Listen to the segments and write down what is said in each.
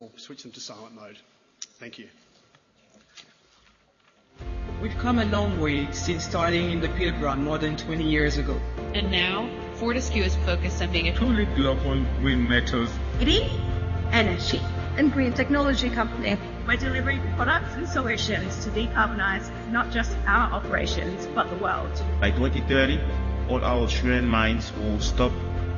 or switch them to silent mode. Thank you. We've come a long way since starting in the Pilbara more than 20 years ago. Now, Fortescue is focused on being- A truly global green metals green Energy- Green technology company. We're delivering products and solutions to decarbonize not just our operations, but the world. By 2030, all our Australian mines will stop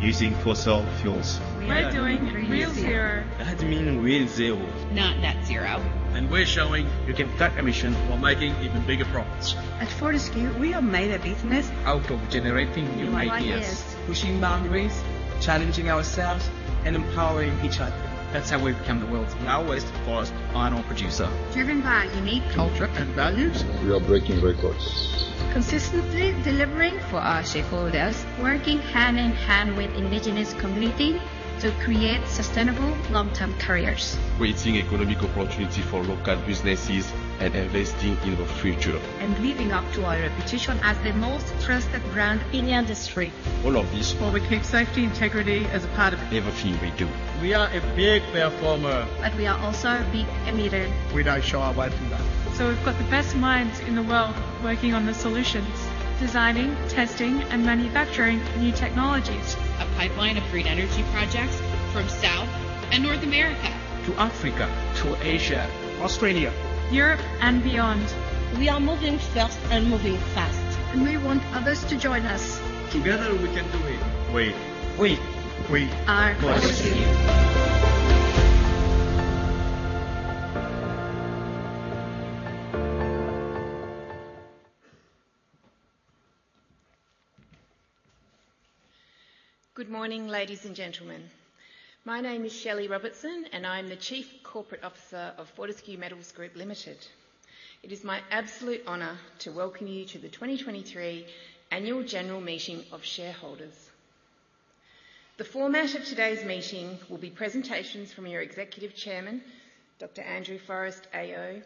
using fossil fuels. We are doing Real Zero. That means Real Zero. Not Net Zero. And we're showing you can cut emissions while making even bigger profits. At Fortescue, we have made a business out of generating new ideas. New ideas. Pushing boundaries, challenging ourselves, and empowering each other. That's how we've become the world's lowest cost iron ore producer. Driven by a unique culture and values. We are breaking records. Consistently delivering for our shareholders. Working hand in hand with Indigenous community to create sustainable long-term careers. Creating economic opportunity for local businesses and investing in the future. Living up to our reputation as the most trusted brand- In the industry. All of this- While we keep safety integrity as a part of- Everything we do. We are a big performer- We are also a big emitter. We don't shy away from that. We've got the best minds in the world working on the solutions: designing, testing, and manufacturing new technologies. A pipeline of green energy projects from South and North America- To Africa, to Asia, Australia- Europe, and beyond. We are moving fast and moving fast. We want others to join us. Together, we can do it. We- We- We are Fortescue. Good morning, ladies and gentlemen. My name is Shelley Robertson, and I'm the Chief Corporate Officer of Fortescue Metals Group Limited. It is my absolute honor to welcome you to the 2023 Annual General Meeting of Shareholders. The format of today's meeting will be presentations from your Executive Chairman, Dr. Andrew Forrest AO,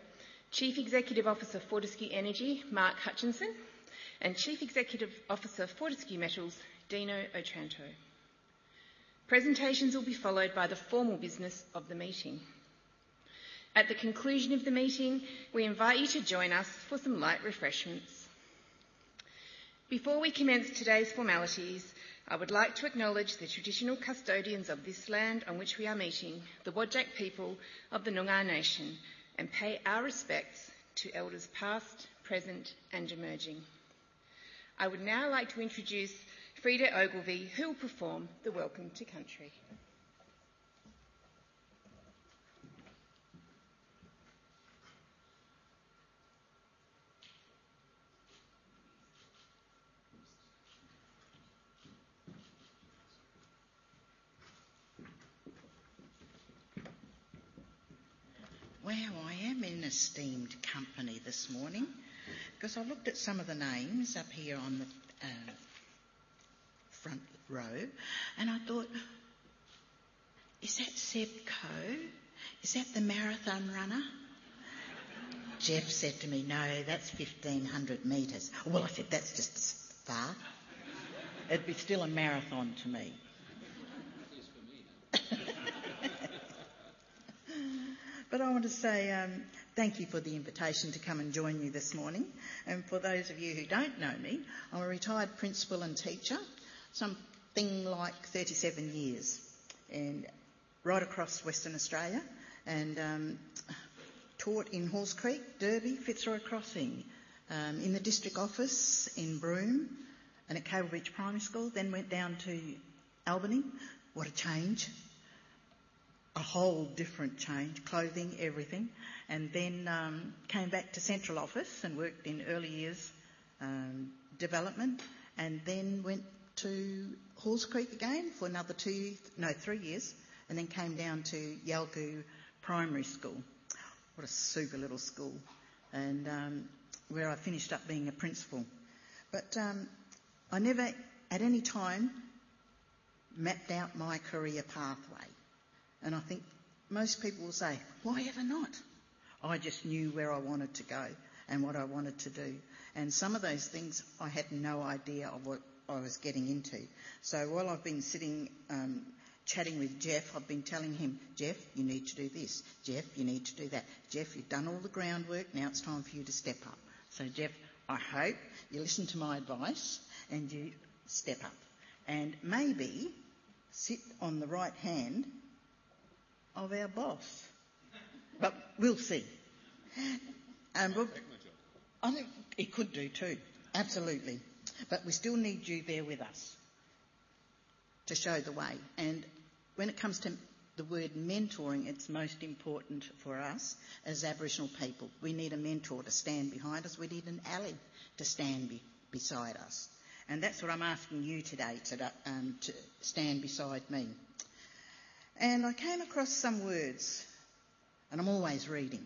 Chief Executive Officer, Fortescue Energy, Mark Hutchinson, and Chief Executive Officer, Fortescue Metals, Dino Otranto. Presentations will be followed by the formal business of the meeting. At the conclusion of the meeting, we invite you to join us for some light refreshments. Before we commence today's formalities, I would like to acknowledge the traditional custodians of this land on which we are meeting, the Whadjuk people of the Noongar nation, and pay our respects to elders past, present, and emerging. I would now like to introduce Freda Ogilvie, who will perform the Welcome to Country. Wow, I am in esteemed company this morning. 'Cause I looked at some of the names up here on the front row, and I thought, "Is that Seb Coe? Is that the marathon runner?" Jeff said to me, "No, that's 1,500 m." "Well," I said, "that's just as far." "It'd be still a marathon to me. But I want to say, thank you for the invitation to come and join you this morning. For those of you who don't know me, I'm a retired principal and teacher, something like 37 years, and right across Western Australia and, taught in Halls Creek, Derby, Fitzroy Crossing, in the district office in Broome and at Cable Beach Primary School, then went down to Albany. What a change! A whole different change, clothing, everything. Then, came back to central office and worked in early years, development, and then went to Halls Creek again for another 2—no, 3 years, and then came down to Yakamia Primary School. What a super little school and, where I finished up being a principal. I never at any time mapped out my career pathway, and I think most people will say, "Why ever not?" I just knew where I wanted to go and what I wanted to do, and some of those things, I had no idea of what I was getting into. While I've been sitting, chatting with Jeff, I've been telling him, "Jeff, you need to do this. Jeff, you need to do that. Jeff, you've done all the groundwork, now it's time for you to step up." Jeff, I hope you listen to my advice, and you step up and maybe sit on the right hand of our boss. We'll see. We'll— I think he could do, too. Absolutely. But we still need you there with us to show the way. And when it comes to the word mentoring, it's most important for us as Aboriginal people. We need a mentor to stand behind us. We need an ally to stand beside us, and that's what I'm asking you today, to stand beside me. And I came across some words, and I'm always reading.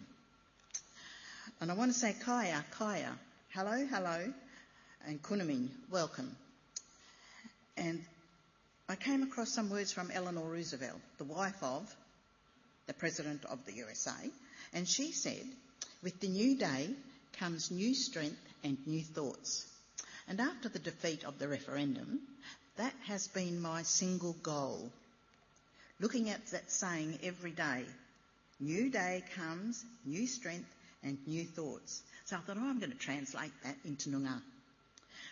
And I want to say kaya kaya. Hello, hello, and kunami, welcome. And I came across some words from Eleanor Roosevelt, the wife of the President of the U.S.A., and she said, "With the new day comes new strength and new thoughts."... And after the defeat of the referendum, that has been my single goal. Looking at that saying every day, "New day comes, new strength, and new thoughts." So I thought, "Oh, I'm gonna translate that into Noongar."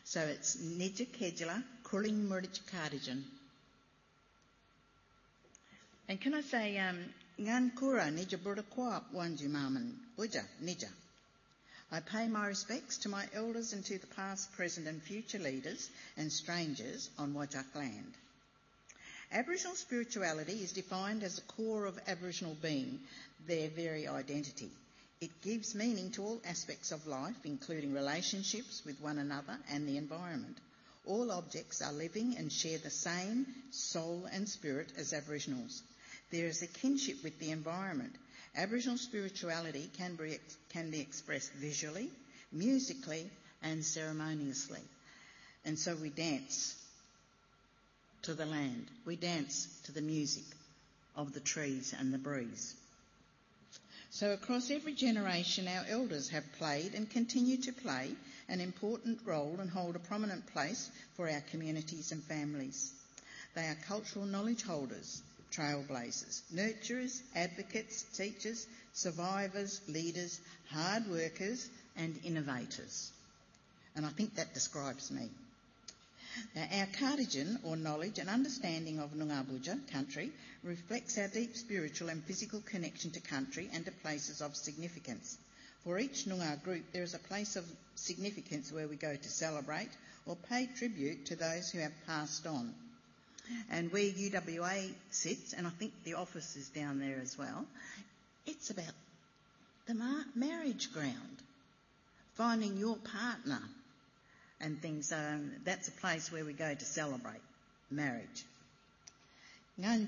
So it's, "......" Can I say, I pay my respects to my elders and to the past, present, and future leaders and strangers on Whadjuk land. Aboriginal spirituality is defined as a core of Aboriginal being, their very identity. It gives meaning to all aspects of life, including relationships with one another and the environment. All objects are living and share the same soul and spirit as Aboriginals. There is a kinship with the environment. Aboriginal spirituality can be expressed visually, musically, and ceremoniously, and so we dance to the land. We dance to the music of the trees and the breeze. So across every generation, our elders have played and continue to play an important role and hold a prominent place for our communities and families. They are cultural knowledge holders, trailblazers, nurturers, advocates, teachers, survivors, leaders, hard workers, and innovators, and I think that describes me. Now, our karditj, or knowledge and understanding of Noongar Boodja, country, reflects our deep spiritual and physical connection to country and to places of significance. For each Noongar group, there is a place of significance where we go to celebrate or pay tribute to those who have passed on. Where UWA sits, and I think the office is down there as well, it's about the marriage ground, finding your partner and things, so that's a place where we go to celebrate marriage. I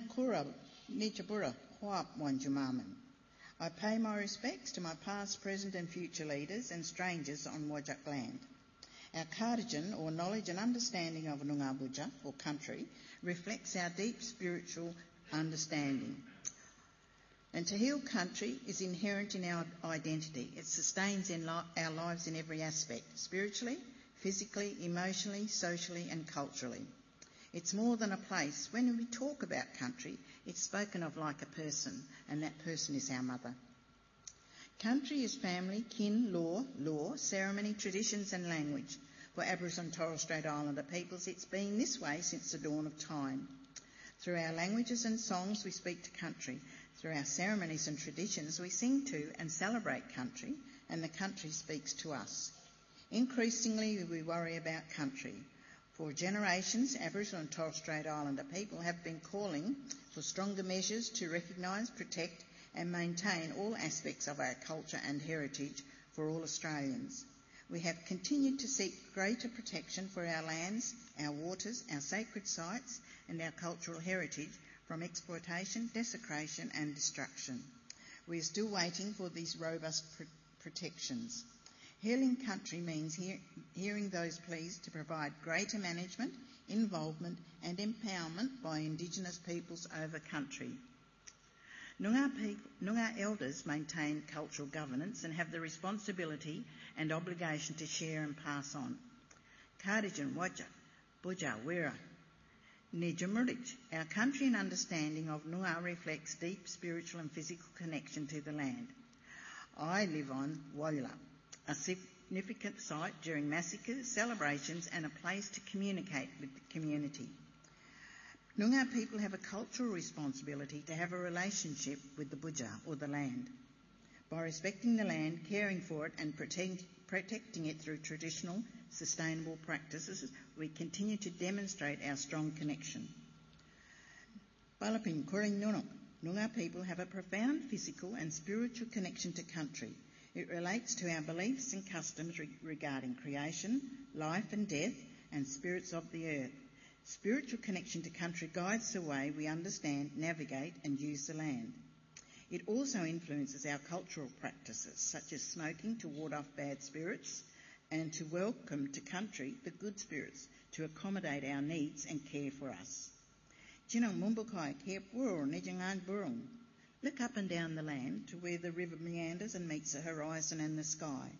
pay my respects to my past, present, and future leaders and strangers on Whadjuk land. Our Kaartdijin, or knowledge and understanding of Noongar Boodja, or country, reflects our deep spiritual understanding. To heal country is inherent in our identity. It sustains our lives in every aspect, spiritually, physically, emotionally, socially, and culturally. It's more than a place. When we talk about country, it's spoken of like a person, and that person is our mother. Country is family, kin, law, lore, ceremony, traditions, and language. For Aboriginal and Torres Strait Islander peoples, it's been this way since the dawn of time. Through our languages and songs, we speak to country. Through our ceremonies and traditions, we sing to and celebrate country, and the country speaks to us. Increasingly, we worry about country. For generations, Aboriginal and Torres Strait Islander people have been calling for stronger measures to recognize, protect, and maintain all aspects of our culture and heritage for all Australians. We have continued to seek greater protection for our lands, our waters, our sacred sites, and our cultural heritage from exploitation, desecration, and destruction. We are still waiting for these robust protections. Healing country means hearing those pleas to provide greater management, involvement, and empowerment by Indigenous peoples over country. Noongar elders maintain cultural governance and have the responsibility and obligation to share and pass on. Our country and understanding of Noongar reflects deep spiritual and physical connection to the land. I live on Whadjuk, a significant site during massacres, celebrations, and a place to communicate with the community. Noongar people have a cultural responsibility to have a relationship with the Boodja, or the land. By respecting the land, caring for it, and protecting it through traditional, sustainable practices, we continue to demonstrate our strong connection. Noongar people have a profound physical and spiritual connection to country. It relates to our beliefs and customs regarding creation, life and death, and spirits of the earth. Spiritual connection to country guides the way we understand, navigate, and use the land. It also influences our cultural practices, such as smoking, to ward off bad spirits and to welcome to country the good spirits, to accommodate our needs and care for us. Look up and down the land to where the river meanders and meets the horizon and the sky.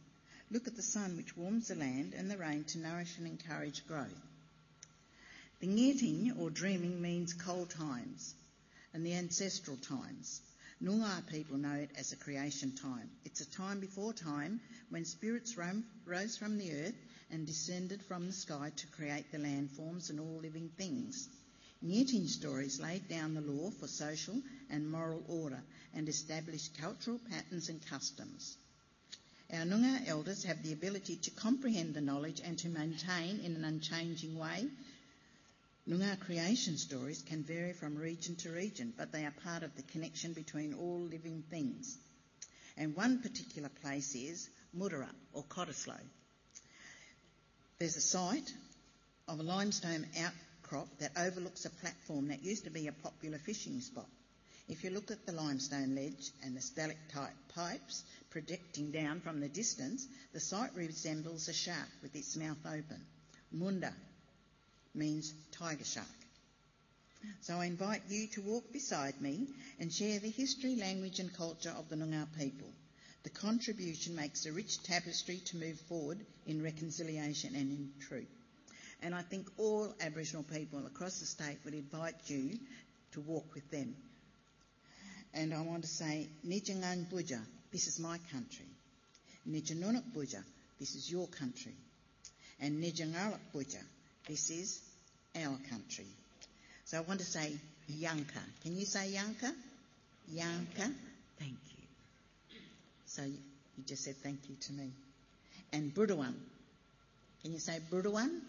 Look at the sun, which warms the land, and the rain to nourish and encourage growth. The nyitting, or dreaming, means cold times and the ancestral times. Noongar people know it as the creation time. It's a time before time, when spirits roam, rose from the earth and descended from the sky to create the landforms and all living things. Nyitting stories laid down the law for social and moral order and established cultural patterns and customs. Our Noongar elders have the ability to comprehend the knowledge and to maintain in an unchanging way. Noongar creation stories can vary from region to region, but they are part of the connection between all living things, and one particular place is Mudurup, or Cottesloe. There's a site of a limestone outcrop that overlooks a platform that used to be a popular fishing spot. If you look at the limestone ledge and the stalactite pipes projecting down from the distance, the site resembles a shark with its mouth open. Moonda means tiger shark.... I invite you to walk beside me and share the history, language, and culture of the Noongar people. The contribution makes a rich tapestry to move forward in reconciliation and in truth, and I think all Aboriginal people across the state would invite you to walk with them. I want to say, "Njingerng budja," this is my country. "Njinin-noort budja," this is your country. "Njingerl budja," this is our country. I want to say, yanka. Can you say yanka? Yanka. Yanka. Thank you. So you just said thank you to me. And Boordawan. Can you say Boordawan? Boordawan. Boordawan.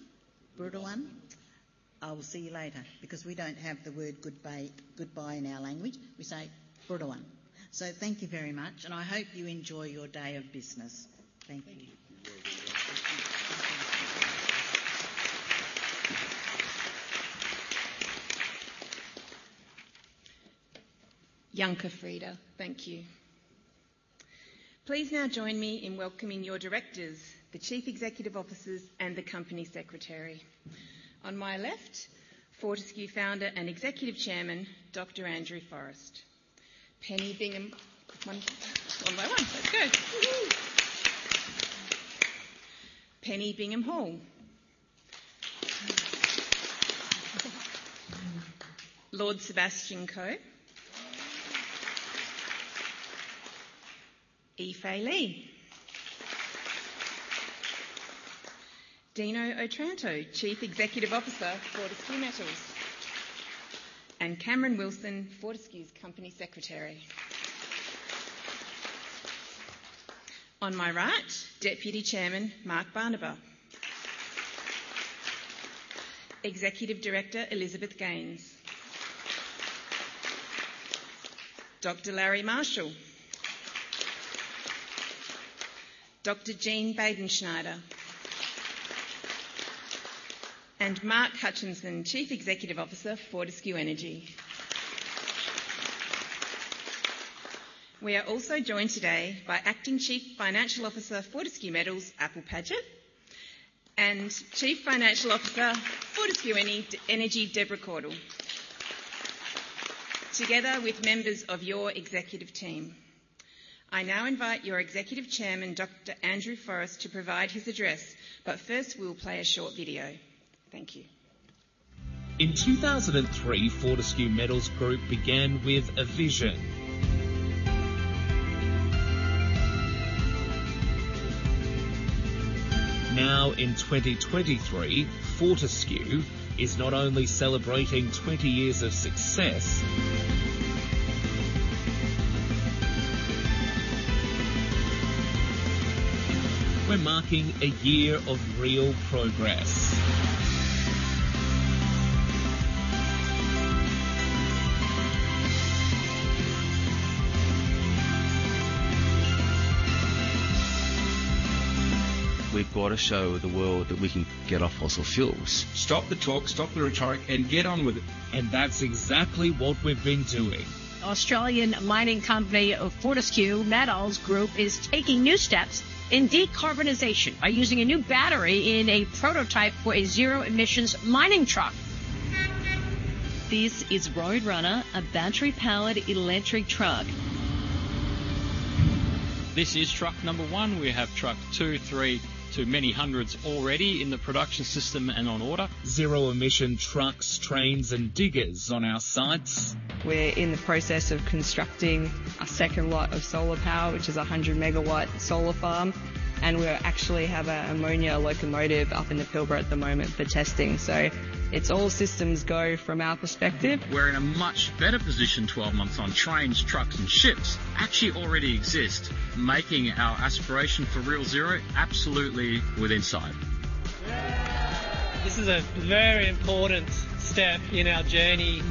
I will see you later, because we don't have the word goodbye, goodbye in our language. We say Boordawan. So thank you very much, and I hope you enjoy your day of business. Thank you. Welcome, Freda. Thank you. Please now join me in welcoming your directors, the chief executive officers, and the company secretary. On my left, Fortescue founder and executive chairman, Dr. Andrew Forrest. Penny Bingham... One, one by one. That's good. Woo-hoo! Penny Bingham-Hall. Lord Sebastian Coe. Yifei Li. Dino Otranto, Chief Executive Officer, Fortescue Metals. And Cameron Wilson, Fortescue's Company Secretary. On my right, Deputy Chairman, Mark Barnaba. Executive Director, Elizabeth Gaines. Dr. Larry Marshall. Dr. Jean Baderschneider. And Mark Hutchinson, Chief Executive Officer, Fortescue Energy. We are also joined today by Acting Chief Financial Officer, Fortescue Metals, Apple Paget, and Chief Financial Officer, Fortescue Energy, Deborah Caudle. Together with members of your executive team. I now invite your executive chairman, Dr. Andrew Forrest, to provide his address, but first we'll play a short video. Thank you. In 2003, Fortescue Metals Group began with a vision. Now, in 2023, Fortescue is not only celebrating 20 years of success. We're marking a year of real progress. We've got to show the world that we can get off fossil fuels. Stop the talk, stop the rhetoric, and get on with it, and that's exactly what we've been doing. Australian mining company Fortescue Metals Group is taking new steps in decarbonization by using a new battery in a prototype for a zero-emissions mining truck. This is Roadrunner, a battery-powered electric truck. This is truck number 1. We have truck 2, 3, to many hundreds already in the production system and on order. Zero-emission trucks, trains, and diggers on our sites. We're in the process of constructing a second lot of solar power, which is a 100 MW solar farm, and we actually have an ammonia locomotive up in the Pilbara at the moment for testing. So it's all systems go from our perspective. We're in a much better position 12 months on. Trains, trucks, and ships actually already exist, making our aspiration for real zero absolutely within sight. This is a very important step in our journey for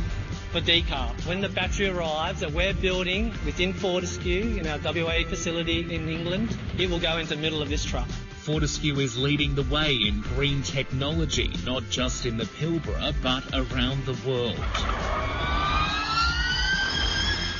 decarb. When the battery arrives, that we're building within Fortescue, in our WA facility in England, it will go in the middle of this truck. Fortescue is leading the way in green technology, not just in the Pilbara, but around the world.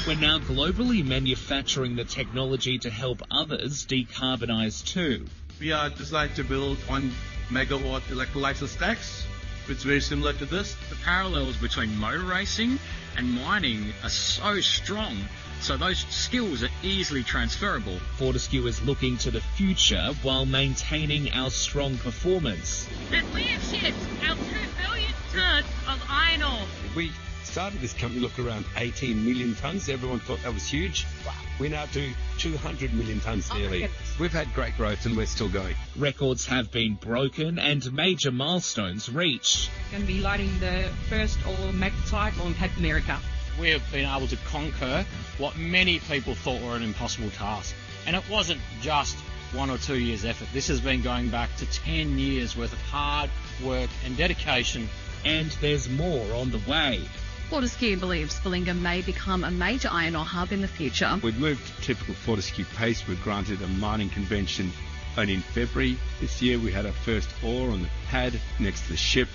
We're now globally manufacturing the technology to help others decarbonize, too. We are designed to build 1 MW electrolysis stacks. It's very similar to this. The parallels between motor racing and mining are so strong, so those skills are easily transferable. Fortescue is looking to the future while maintaining our strong performance. We have shipped our 2 billionth ton of iron ore! We started this company, look, around 18 million tons. Everyone thought that was huge. Wow. We now do 200 million tons yearly. Oh, yes. We've had great growth, and we're still going. Records have been broken and major milestones reached. Going to be lighting the first ore magnetite on Pad America. We have been able to conquer what many people thought were an impossible task, and it wasn't just one or two years' effort. This has been going back to 10 years' worth of hard work and dedication. And there's more on the way. Fortescue believes Belinga may become a major iron ore hub in the future. We've moved typical Fortescue pace. We were granted a mining convention, and in February this year, we had our first ore on the pad next to the ship.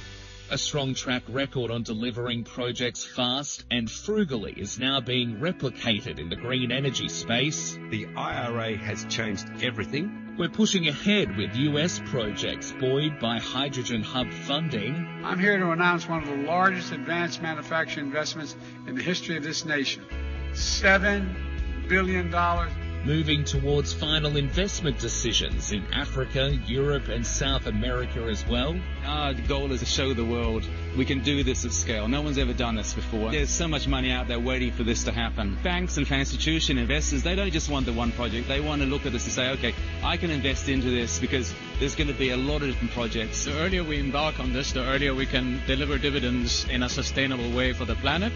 A strong track record on delivering projects fast and frugally is now being replicated in the green energy space. The IRA has changed everything. We're pushing ahead with U.S. projects buoyed by Hydrogen Hub funding. I'm here to announce one of the largest advanced manufacturing investments in the history of this nation. 7 billion dollars-... $ billion. Moving towards final investment decisions in Africa, Europe, and South America as well. Our goal is to show the world we can do this at scale. No one's ever done this before. There's so much money out there waiting for this to happen. Banks and institutional investors, they don't just want the one project. They wanna look at this and say, "Okay, I can invest into this because there's gonna be a lot of different projects. The earlier we embark on this, the earlier we can deliver dividends in a sustainable way for the planet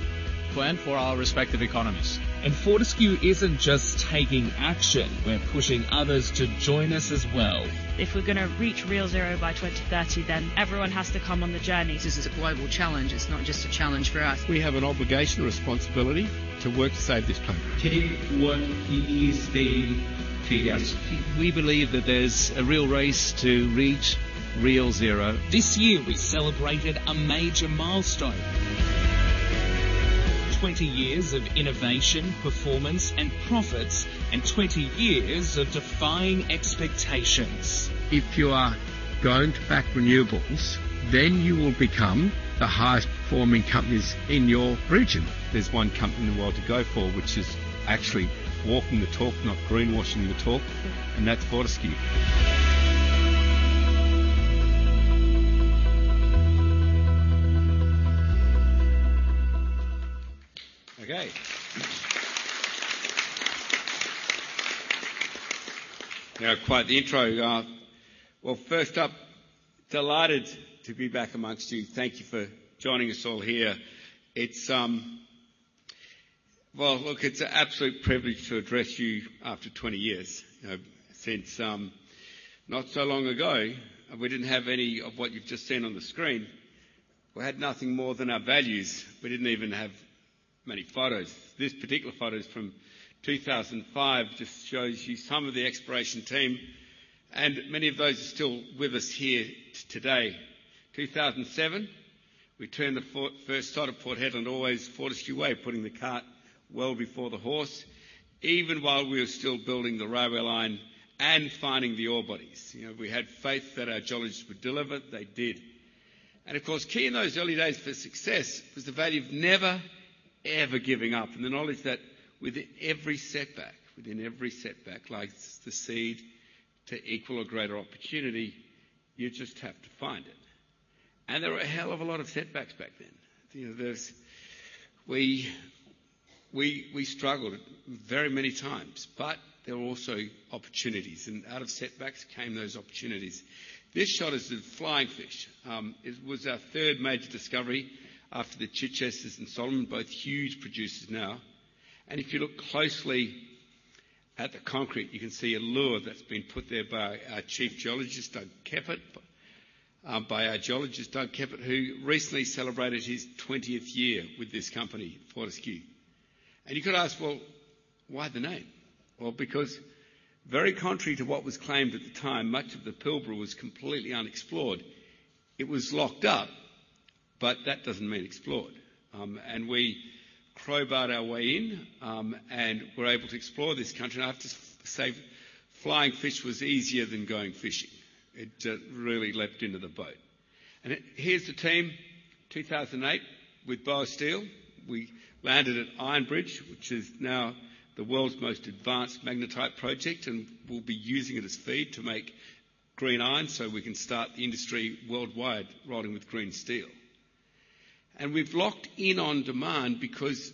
and for our respective economies. Fortescue isn't just taking action, we're pushing others to join us as well. If we're gonna reach Real Zero by 2030, then everyone has to come on the journey. This is a global challenge. It's not just a challenge for us. We have an obligation, a responsibility, to work to save this planet. Take what is being serious. We believe that there's a real race to reach Real Zero. This year, we celebrated a major milestone. 20 years of innovation, performance, and profits, and 20 years of defying expectations. If you are going to back renewables, then you will become the highest-performing companies in your region. There's one company in the world to go for, which is actually walking the talk, not greenwashing the talk, and that's Fortescue. Okay. Now, quite the intro. Well, first up, delighted to be back amongst you. Thank you for joining us all here. It's. Well, look, it's an absolute privilege to address you after 20 years. You know, since not so long ago, we didn't have any of what you've just seen on the screen. We had nothing more than our values. We didn't even have many photos. This particular photo is from 2005, just shows you some of the exploration team, and many of those are still with us here today. 2007, we turned the first start of Port Hedland, always Fortescue Way, putting the cart well before the horse, even while we were still building the railway line and finding the ore bodies. You know, we had faith that our geologists would deliver. They did. And of course, key in those early days for success was the value of never, ever giving up, and the knowledge that with every setback, within every setback lies the seed to equal or greater opportunity. You just have to find it. And there were a hell of a lot of setbacks back then. You know, there's... We, we, we struggled very many times, but there were also opportunities, and out of setbacks came those opportunities. This shot is of Flying Fish. It was our third major discovery after the Chichester and Solomon, both huge producers now. And if you look closely at the concrete, you can see a lure that's been put there by our Chief Geologist, Doug Kepert. By our geologist, Doug Kepert, who recently celebrated his twentieth year with this company, Fortescue. And you could ask: Well, why the name? Well, because very contrary to what was claimed at the time, much of the Pilbara was completely unexplored. It was locked up, but that doesn't mean explored. And we crowbarred our way in, and were able to explore this country. And I have to say, Flying Fish was easier than going fishing. It really leapt into the boat. And here's the team, 2008, with Baosteel. We landed at Iron Bridge, which is now the world's most advanced magnetite project, and we'll be using it as feed to make green iron, so we can start the industry worldwide, rolling with green steel. We've locked in on demand because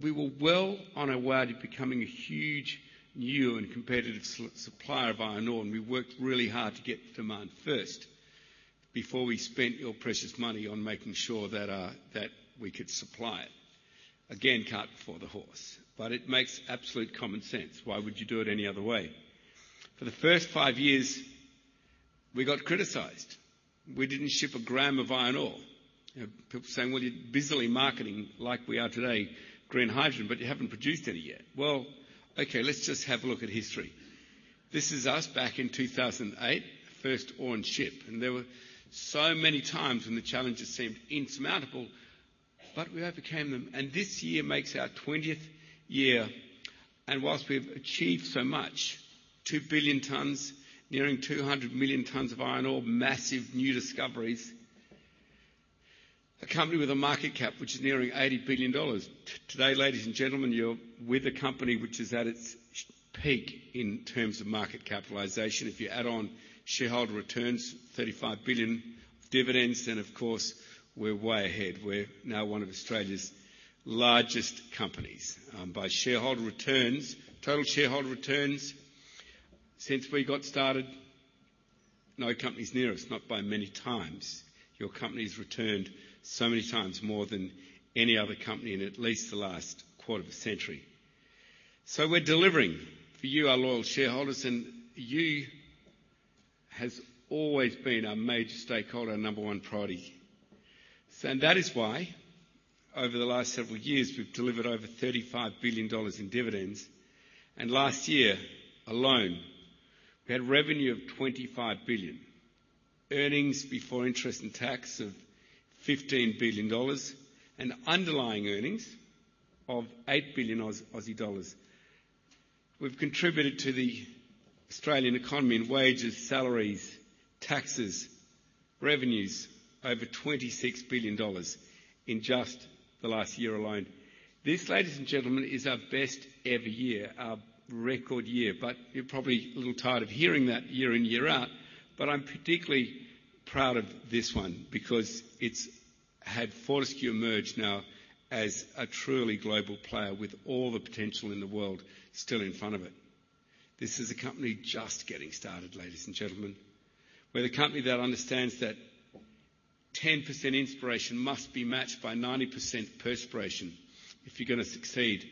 we were well on our way to becoming a huge, new, and competitive supplier of iron ore, and we worked really hard to get demand first before we spent your precious money on making sure that that we could supply it. Again, cart before the horse, but it makes absolute common sense. Why would you do it any other way? For the first five years, we got criticized. We didn't ship a gram of iron ore. You know, people saying, "Well, you're busily marketing," like we are today, green hydrogen, "but you haven't produced any yet." Well, okay, let's just have a look at history. This is us back in 2008, first ore in ship, and there were so many times when the challenges seemed insurmountable, but we overcame them. This year makes our 20th year, and while we've achieved so much, 2 billion tons, nearing 200 million tons of iron ore, massive new discoveries, a company with a market cap, which is nearing 80 billion dollars. Today, ladies and gentlemen, you're with a company which is at its peak in terms of market capitalization. If you add on shareholder returns, 35 billion of dividends, then, of course, we're way ahead. We're now one of Australia's largest companies, by shareholder returns. Total shareholder returns since we got started, no company's near us, not by many times. Your company's returned so many times more than any other company in at least the last quarter of a century. So we're delivering for you, our loyal shareholders, and you have always been our major stakeholder, our number one priority. So and that is why, over the last several years, we've delivered over 35 billion dollars in dividends, and last year alone, we had revenue of 25 billion, earnings before interest and tax of 15 billion dollars, and underlying earnings of 8 billion Aussie dollars. We've contributed to the Australian economy in wages, salaries, taxes, revenues, over 26 billion dollars in just the last year alone. This, ladies and gentlemen, is our best-ever year, our record year, but you're probably a little tired of hearing that year in, year out. But I'm particularly proud of this one because it's had Fortescue emerge now as a truly global player with all the potential in the world still in front of it. This is a company just getting started, ladies and gentlemen. We're the company that understands that 10% inspiration must be matched by 90% perspiration if you're gonna succeed.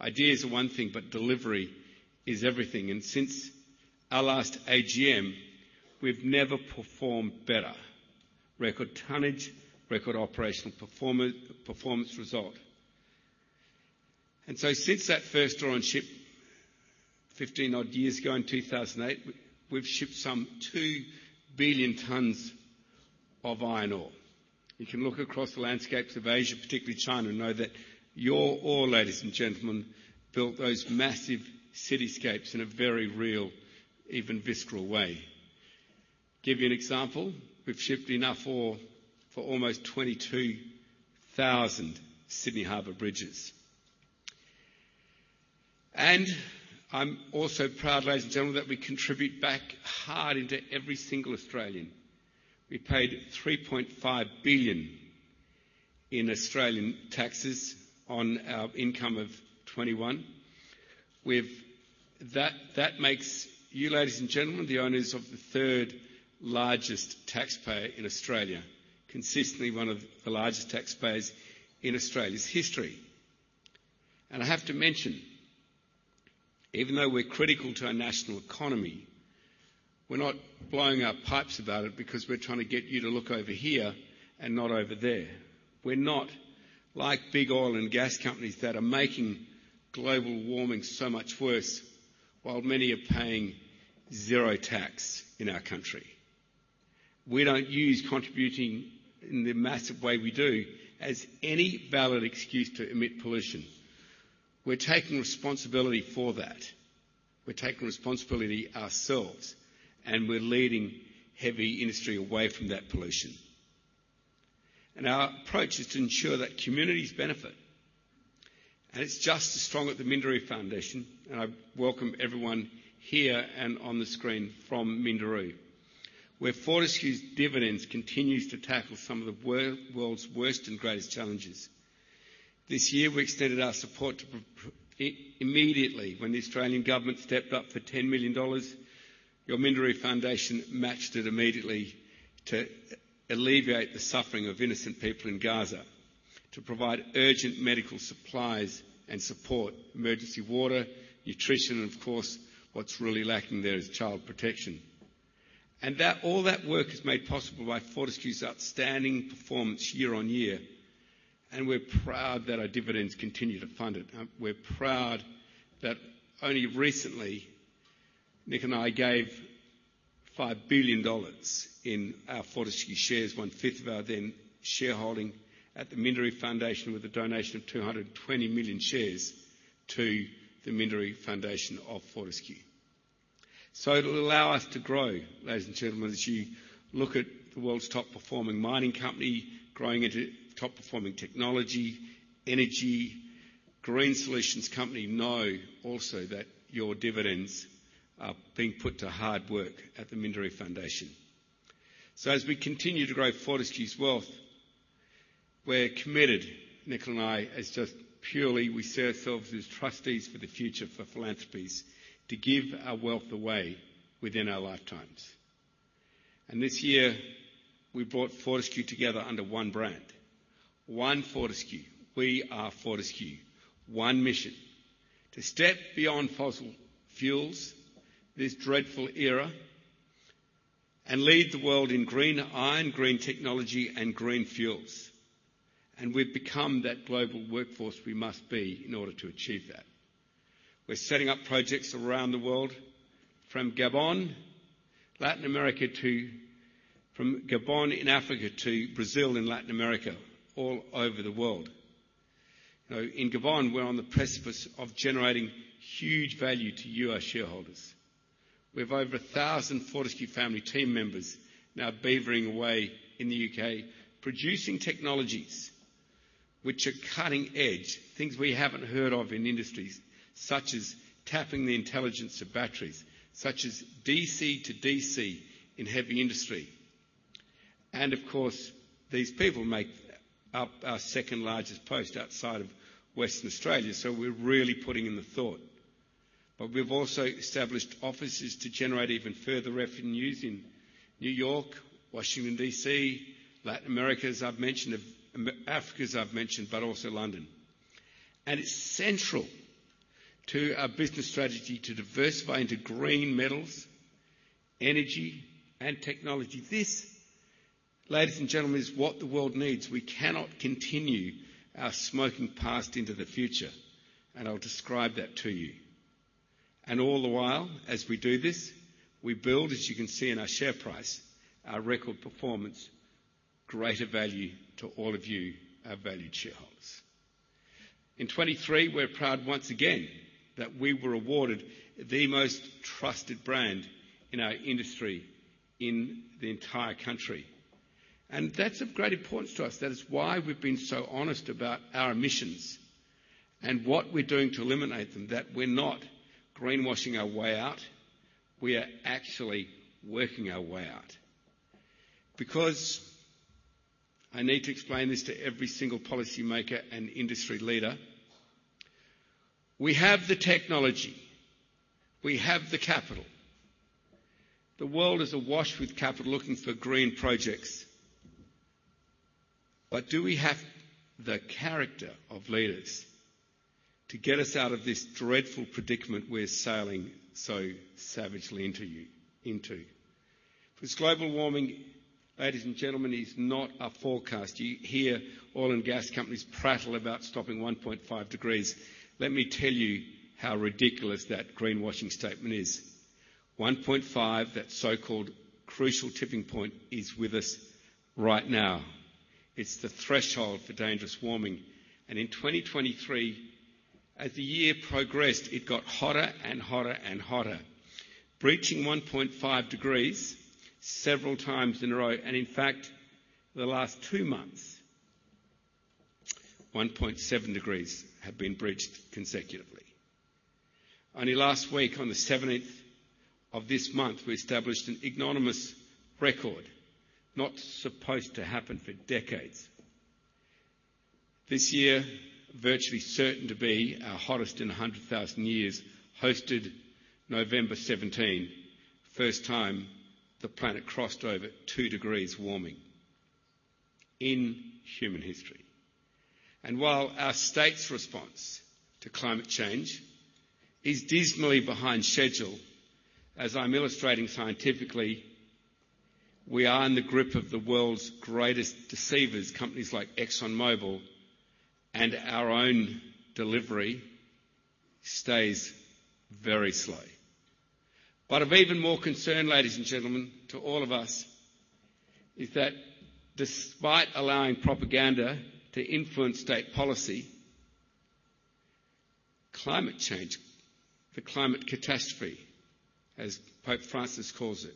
Ideas are one thing, but delivery is everything, and since our last AGM, we've never performed better. Record tonnage, record operational performance result. So since that first ore on ship, 15-odd years ago in 2008, we've shipped some 2 billion tons of iron ore. You can look across the landscapes of Asia, particularly China, and know that your ore, ladies and gentlemen, built those massive cityscapes in a very real, even visceral way. Give you an example, we've shipped enough ore for almost 22,000 Sydney Harbour Bridges. I'm also proud, ladies and gentlemen, that we contribute back hard into every single Australian. We paid 3.5 billion in Australian taxes on our income of 2021. That makes you, ladies and gentlemen, the owners of the third largest taxpayer in Australia, consistently one of the largest taxpayers in Australia's history. I have to mention, even though we're critical to our national economy, we're not blowing up pipes about it because we're trying to get you to look over here and not over there. We're not like big oil and gas companies that are making global warming so much worse, while many are paying zero tax in our country. We don't use contributing in the massive way we do, as any valid excuse to emit pollution. We're taking responsibility for that. We're taking responsibility ourselves, and we're leading heavy industry away from that pollution. Our approach is to ensure that communities benefit, and it's just as strong at the Minderoo Foundation, and I welcome everyone here and on the screen from Minderoo, where Fortescue's dividends continues to tackle some of the world's worst and greatest challenges. This year, we extended our support to immediately when the Australian government stepped up for 10 million dollars, your Minderoo Foundation matched it immediately to alleviate the suffering of innocent people in Gaza, to provide urgent medical supplies and support, emergency water, nutrition, and of course, what's really lacking there is child protection. And that all that work is made possible by Fortescue's outstanding performance year-on-year, and we're proud that our dividends continue to fund it. We're proud that only recently, Nick and I gave 5 billion dollars in our Fortescue shares, 1/5 of our then shareholding at the Minderoo Foundation, with a donation of 220 million shares to the Minderoo Foundation of Fortescue. So it'll allow us to grow, ladies and gentlemen, as you look at the world's top-performing mining company, growing into top-performing technology, energy, green solutions company, know also that your dividends are being put to hard work at the Minderoo Foundation. So as we continue to grow Fortescue's wealth, we're committed, Nick and I, as just purely we see ourselves as trustees for the future for philanthropies, to give our wealth away within our lifetimes. This year, we brought Fortescue together under one brand, One Fortescue. We are Fortescue. One mission: to step beyond fossil fuels, this dreadful era, and lead the world in green iron, green technology, and green fuels. We've become that global workforce we must be in order to achieve that. We're setting up projects around the world, from Gabon in Africa to Brazil in Latin America, all over the world. You know, in Gabon, we're on the precipice of generating huge value to you, our shareholders. We have over 1,000 Fortescue family team members now beavering away in the U.K., producing technologies which are cutting-edge, things we haven't heard of in industries such as tapping the intelligence of batteries, such as DC to DC in heavy industry. Of course, these people make up our second-largest post outside of Western Australia, so we're really putting in the thought. But we've also established offices to generate even further revenues in New York, Washington, D.C., Latin America, as I've mentioned, Africa, as I've mentioned, but also London. And it's central to our business strategy to diversify into green metals, energy, and technology. This, ladies and gentlemen, is what the world needs. We cannot continue our smoking past into the future, and I'll describe that to you. And all the while, as we do this, we build, as you can see in our share price, our record performance, greater value to all of you, our valued shareholders.... In 2023, we're proud once again that we were awarded the most trusted brand in our industry in the entire country, and that's of great importance to us. That is why we've been so honest about our emissions and what we're doing to eliminate them, that we're not greenwashing our way out. We are actually working our way out. Because I need to explain this to every single policymaker and industry leader, we have the technology, we have the capital. The world is awash with capital looking for green projects. But do we have the character of leaders to get us out of this dreadful predicament we're sailing so savagely into, into? This global warming, ladies and gentlemen, is not a forecast. You hear oil and gas companies prattle about stopping 1.5 degrees. Let me tell you how ridiculous that greenwashing statement is. 1.5, that so-called crucial tipping point, is with us right now. It's the threshold for dangerous warming, and in 2023, as the year progressed, it got hotter and hotter and hotter, breaching 1.5 degrees several times in a row, and in fact, the last two months, 1.7 degrees have been breached consecutively. Only last week, on the 17th of this month, we established an ignominious record not supposed to happen for decades. This year, virtually certain to be our hottest in 100,000 years, hosted November 17, first time the planet crossed over 2 degrees warming in human history. And while our state's response to climate change is dismally behind schedule, as I'm illustrating scientifically, we are in the grip of the world's greatest deceivers, companies like ExxonMobil, and our own delivery stays very slow. But of even more concern, ladies and gentlemen, to all of us, is that despite allowing propaganda to influence state policy, climate change, the climate catastrophe, as Pope Francis calls it,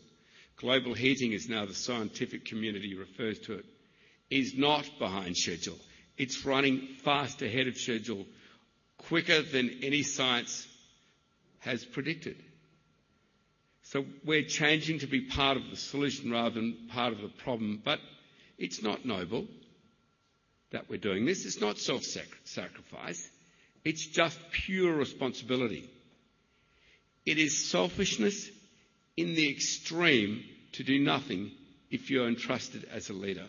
global heating as now the scientific community refers to it, is not behind schedule. It's running fast ahead of schedule, quicker than any science has predicted. So we're changing to be part of the solution rather than part of the problem. But it's not noble that we're doing this. It's not self-sacrifice. It's just pure responsibility. It is selfishness in the extreme to do nothing if you are entrusted as a leader,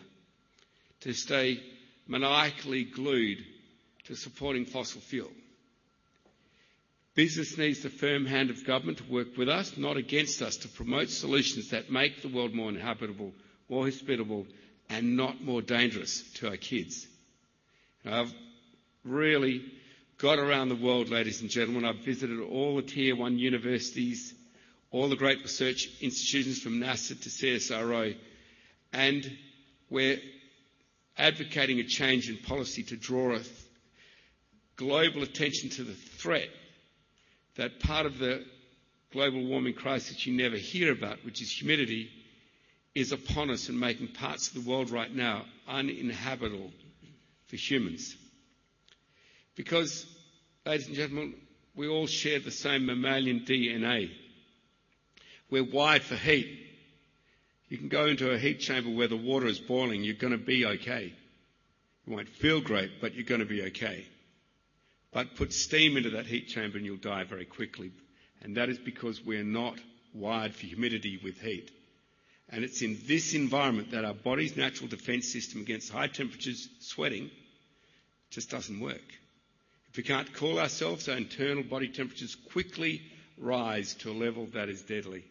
to stay maniacally glued to supporting fossil fuel. Business needs the firm hand of government to work with us, not against us, to promote solutions that make the world more inhabitable, more hospitable, and not more dangerous to our kids. I've really got around the world, ladies and gentlemen. I've visited all the Tier One universities, all the great research institutions from NASA to CSIRO, and we're advocating a change in policy to draw a global attention to the threat that part of the global warming crisis you never hear about, which is humidity, is upon us and making parts of the world right now uninhabitable for humans. Because, ladies and gentlemen, we all share the same mammalian DNA. We're wired for heat. You can go into a heat chamber where the water is boiling, you're gonna be okay. You won't feel great, but you're gonna be okay. But put steam into that heat chamber, and you'll die very quickly, and that is because we're not wired for humidity with heat. It's in this environment that our body's natural defense system against high temperatures, sweating, just doesn't work. If we can't cool ourselves, our internal body temperatures quickly rise to a level that is deadly.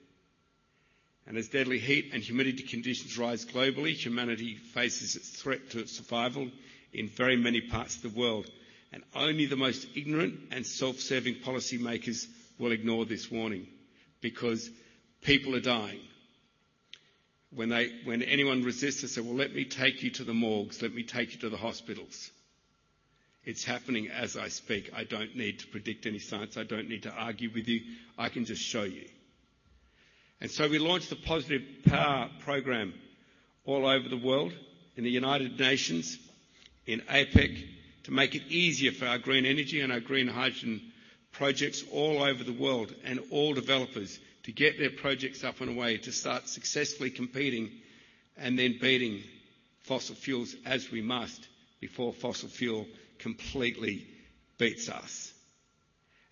And as deadly heat and humidity conditions rise globally, humanity faces a threat to its survival in very many parts of the world, and only the most ignorant and self-serving policymakers will ignore this warning, because people are dying. When anyone resists this, say, "Well, let me take you to the morgues. Let me take you to the hospitals." It's happening as I speak. I don't need to predict any science. I don't need to argue with you. I can just show you. We launched the Positive Power program all over the world, in the United Nations, in APEC, to make it easier for our green energy and our green hydrogen projects all over the world and all developers to get their projects up and away to start successfully competing and then beating fossil fuels, as we must, before fossil fuel completely beats us.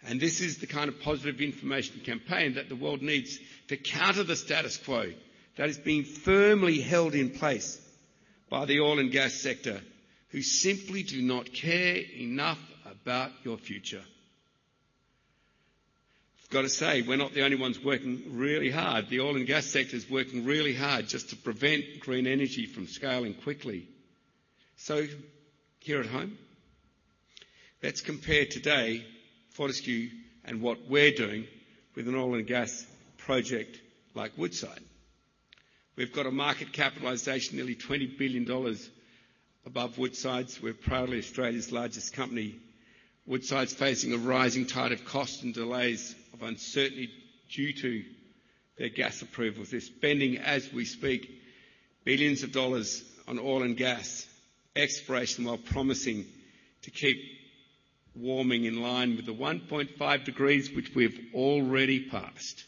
This is the kind of positive information campaign that the world needs to counter the status quo that is being firmly held in place by the oil and gas sector, who simply do not care enough about your future. I've got to say, we're not the only ones working really hard. The oil and gas sector is working really hard just to prevent green energy from scaling quickly. So here at home, let's compare today, Fortescue, and what we're doing with an oil and gas project like Woodside. We've got a market capitalization of nearly 20 billion dollars above Woodside's. We're proudly Australia's largest company. Woodside's facing a rising tide of costs and delays of uncertainty due to their gas approvals. They're spending, as we speak, billions of dollars on oil and gas exploration, while promising to keep warming in line with the 1.5 degrees, which we've already passed.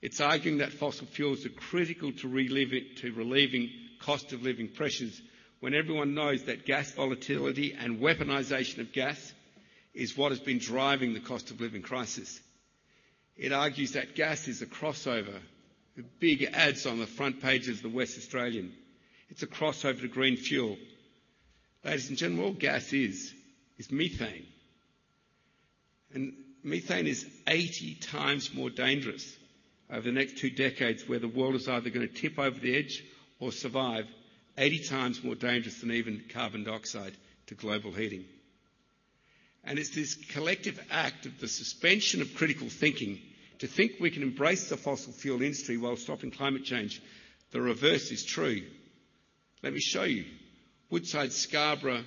It's arguing that fossil fuels are critical to relieving cost of living pressures, when everyone knows that gas volatility and weaponization of gas is what has been driving the cost of living crisis. It argues that gas is a crossover, with big ads on the front pages of the West Australian. It's a crossover to green fuel. Ladies and gentlemen, all gas is, is methane, and methane is 80x more dangerous over the next two decades, where the world is either gonna tip over the edge or survive. 80x more dangerous than even carbon dioxide to global heating. And it's this collective act of the suspension of critical thinking, to think we can embrace the fossil fuel industry while stopping climate change. The reverse is true. Let me show you. Woodside Scarborough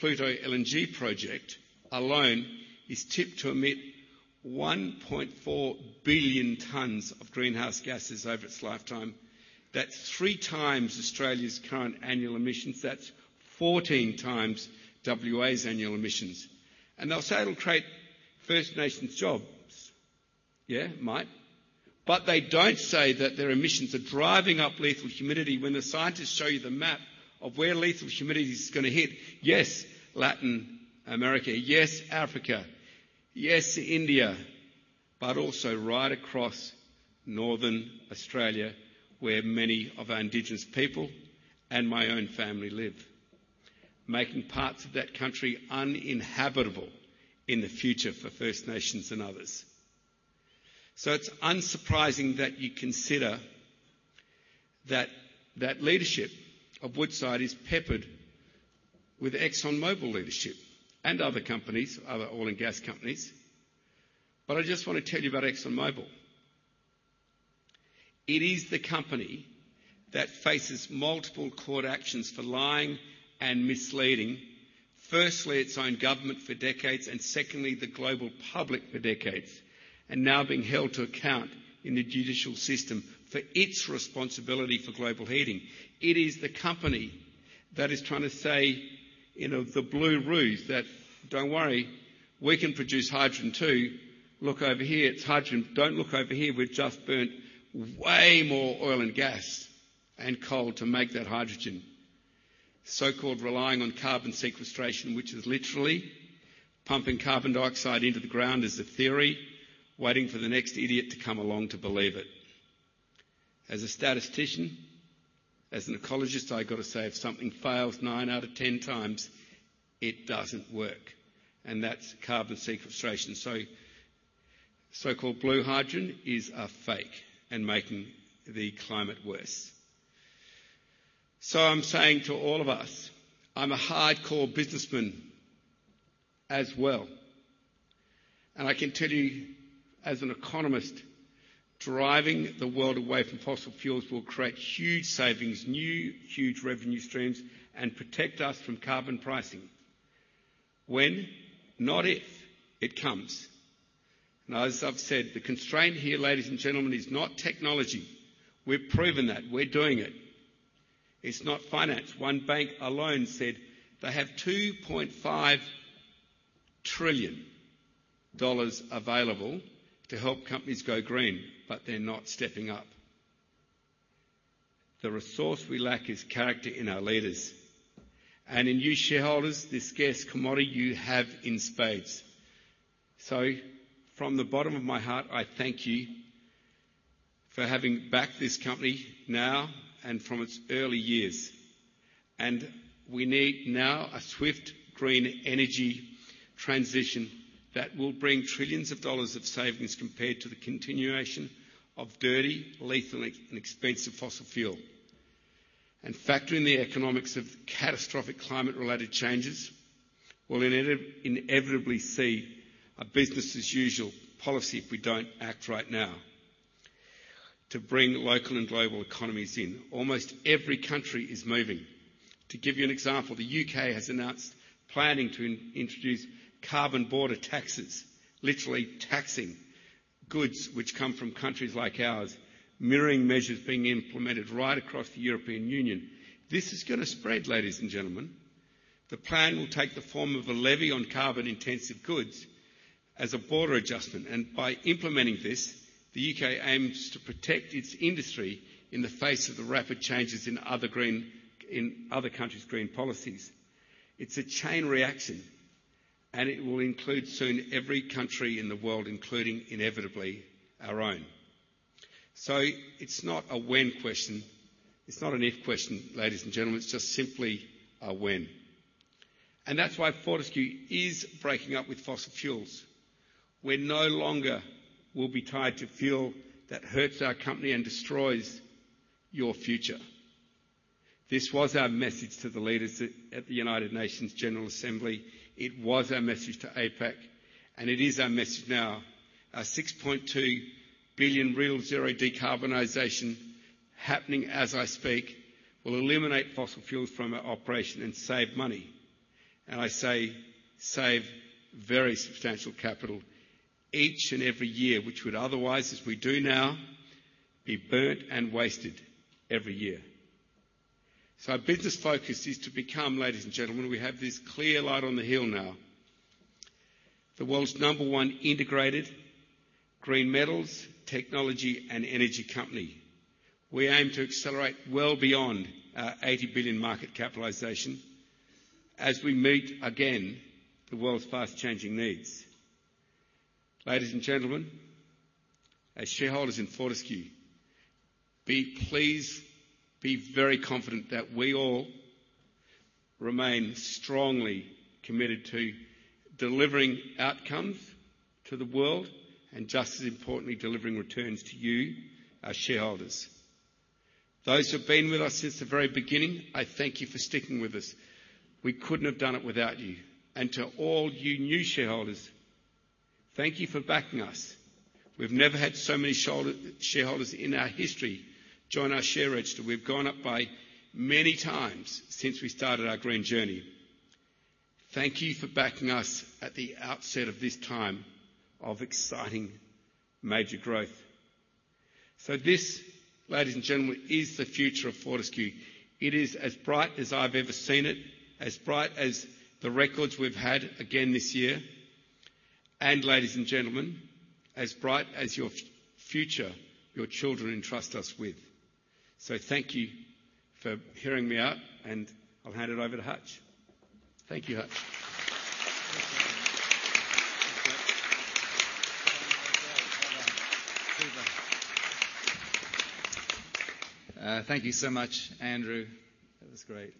Pluto LNG project alone is tipped to emit 1.4 billion tons of greenhouse gases over its lifetime. That's 3x Australia's current annual emissions. That's 14x WA's annual emissions, and they'll say it'll create First Nations jobs. Yeah, it might. But they don't say that their emissions are driving up lethal humidity. When the scientists show you the map of where lethal humidity is gonna hit, yes, Latin America, yes, Africa, yes, India, but also right across northern Australia, where many of our indigenous people and my own family live, making parts of that country uninhabitable in the future for First Nations and others. So it's unsurprising that you consider that, that leadership of Woodside is peppered with ExxonMobil leadership and other companies, other oil and gas companies. But I just wanna tell you about ExxonMobil. It is the company that faces multiple court actions for lying and misleading, firstly, its own government for decades, and secondly, the global public for decades, and now being held to account in the judicial system for its responsibility for global heating. It is the company that is trying to say, you know, the blue ruse, that, "Don't worry, we can produce hydrogen, too. Look over here, it's hydrogen. Don't look over here, we've just burnt way more oil and gas and coal to make that hydrogen. So-called relying on carbon sequestration, which is literally pumping carbon dioxide into the ground, is a theory waiting for the next idiot to come along to believe it. As a statistician, as an ecologist, I've got to say, if something fails 9 out of 10 times, it doesn't work, and that's carbon sequestration. So, so-called blue hydrogen is a fake and making the climate worse. I'm saying to all of us, I'm a hardcore businessman as well, and I can tell you, as an economist, driving the world away from fossil fuels will create huge savings, new huge revenue streams, and protect us from carbon pricing when, not if, it comes. Now, as I've said, the constraint here, ladies and gentlemen, is not technology. We've proven that. We're doing it. It's not finance. One bank alone said they have $2.5 trillion available to help companies go green, but they're not stepping up. The resource we lack is character in our leaders and in you, shareholders, this scarce commodity you have in spades. From the bottom of my heart, I thank you for having backed this company now and from its early years. We need now a swift green energy transition that will bring trillions of dollars of savings compared to the continuation of dirty, lethal, and expensive fossil fuel. Factor in the economics of catastrophic climate-related changes, we'll inevitably see a business-as-usual policy if we don't act right now to bring local and global economies in. Almost every country is moving. To give you an example, the U.K. has announced planning to introduce carbon border taxes, literally taxing goods which come from countries like ours, mirroring measures being implemented right across the European Union. This is gonna spread, ladies and gentlemen. The plan will take the form of a levy on carbon-intensive goods as a border adjustment, and by implementing this, the U.K. aims to protect its industry in the face of the rapid changes in other countries' green policies. It's a chain reaction, and it will include soon every country in the world, including, inevitably, our own. It's not a when question. It's not an if question, ladies and gentlemen, it's just simply a when. That's why Fortescue is breaking up with fossil fuels. We no longer will be tied to fuel that hurts our company and destroys your future. This was our message to the leaders at, at the United Nations General Assembly. It was our message to APAC, and it is our message now. Our 6.2 billion real zero decarbonization, happening as I speak, will eliminate fossil fuels from our operation and save money. I say save very substantial capital each and every year, which would otherwise, as we do now, be burnt and wasted every year. Our business focus is to become, ladies and gentlemen, we have this clear light on the hill now. The world's number one integrated green metals, technology, and energy company. We aim to accelerate well beyond our 80 billion market capitalization as we meet again the world's fast-changing needs. Ladies and gentlemen, as shareholders in Fortescue, please be very confident that we all remain strongly committed to delivering outcomes to the world, and just as importantly, delivering returns to you, our shareholders. Those who've been with us since the very beginning, I thank you for sticking with us. We couldn't have done it without you. And to all you new shareholders, thank you for backing us. We've never had so many shareholders in our history join our share register. We've gone up by many times since we started our green journey. Thank you for backing us at the outset of this time of exciting major growth. So this, ladies and gentlemen, is the future of Fortescue. It is as bright as I've ever seen it, as bright as the records we've had again this year, and ladies and gentlemen, as bright as your future, your children entrust us with. So thank you for hearing me out, and I'll hand it over to Hutch. Thank you, Hutch. Thank you so much, Andrew. That was great.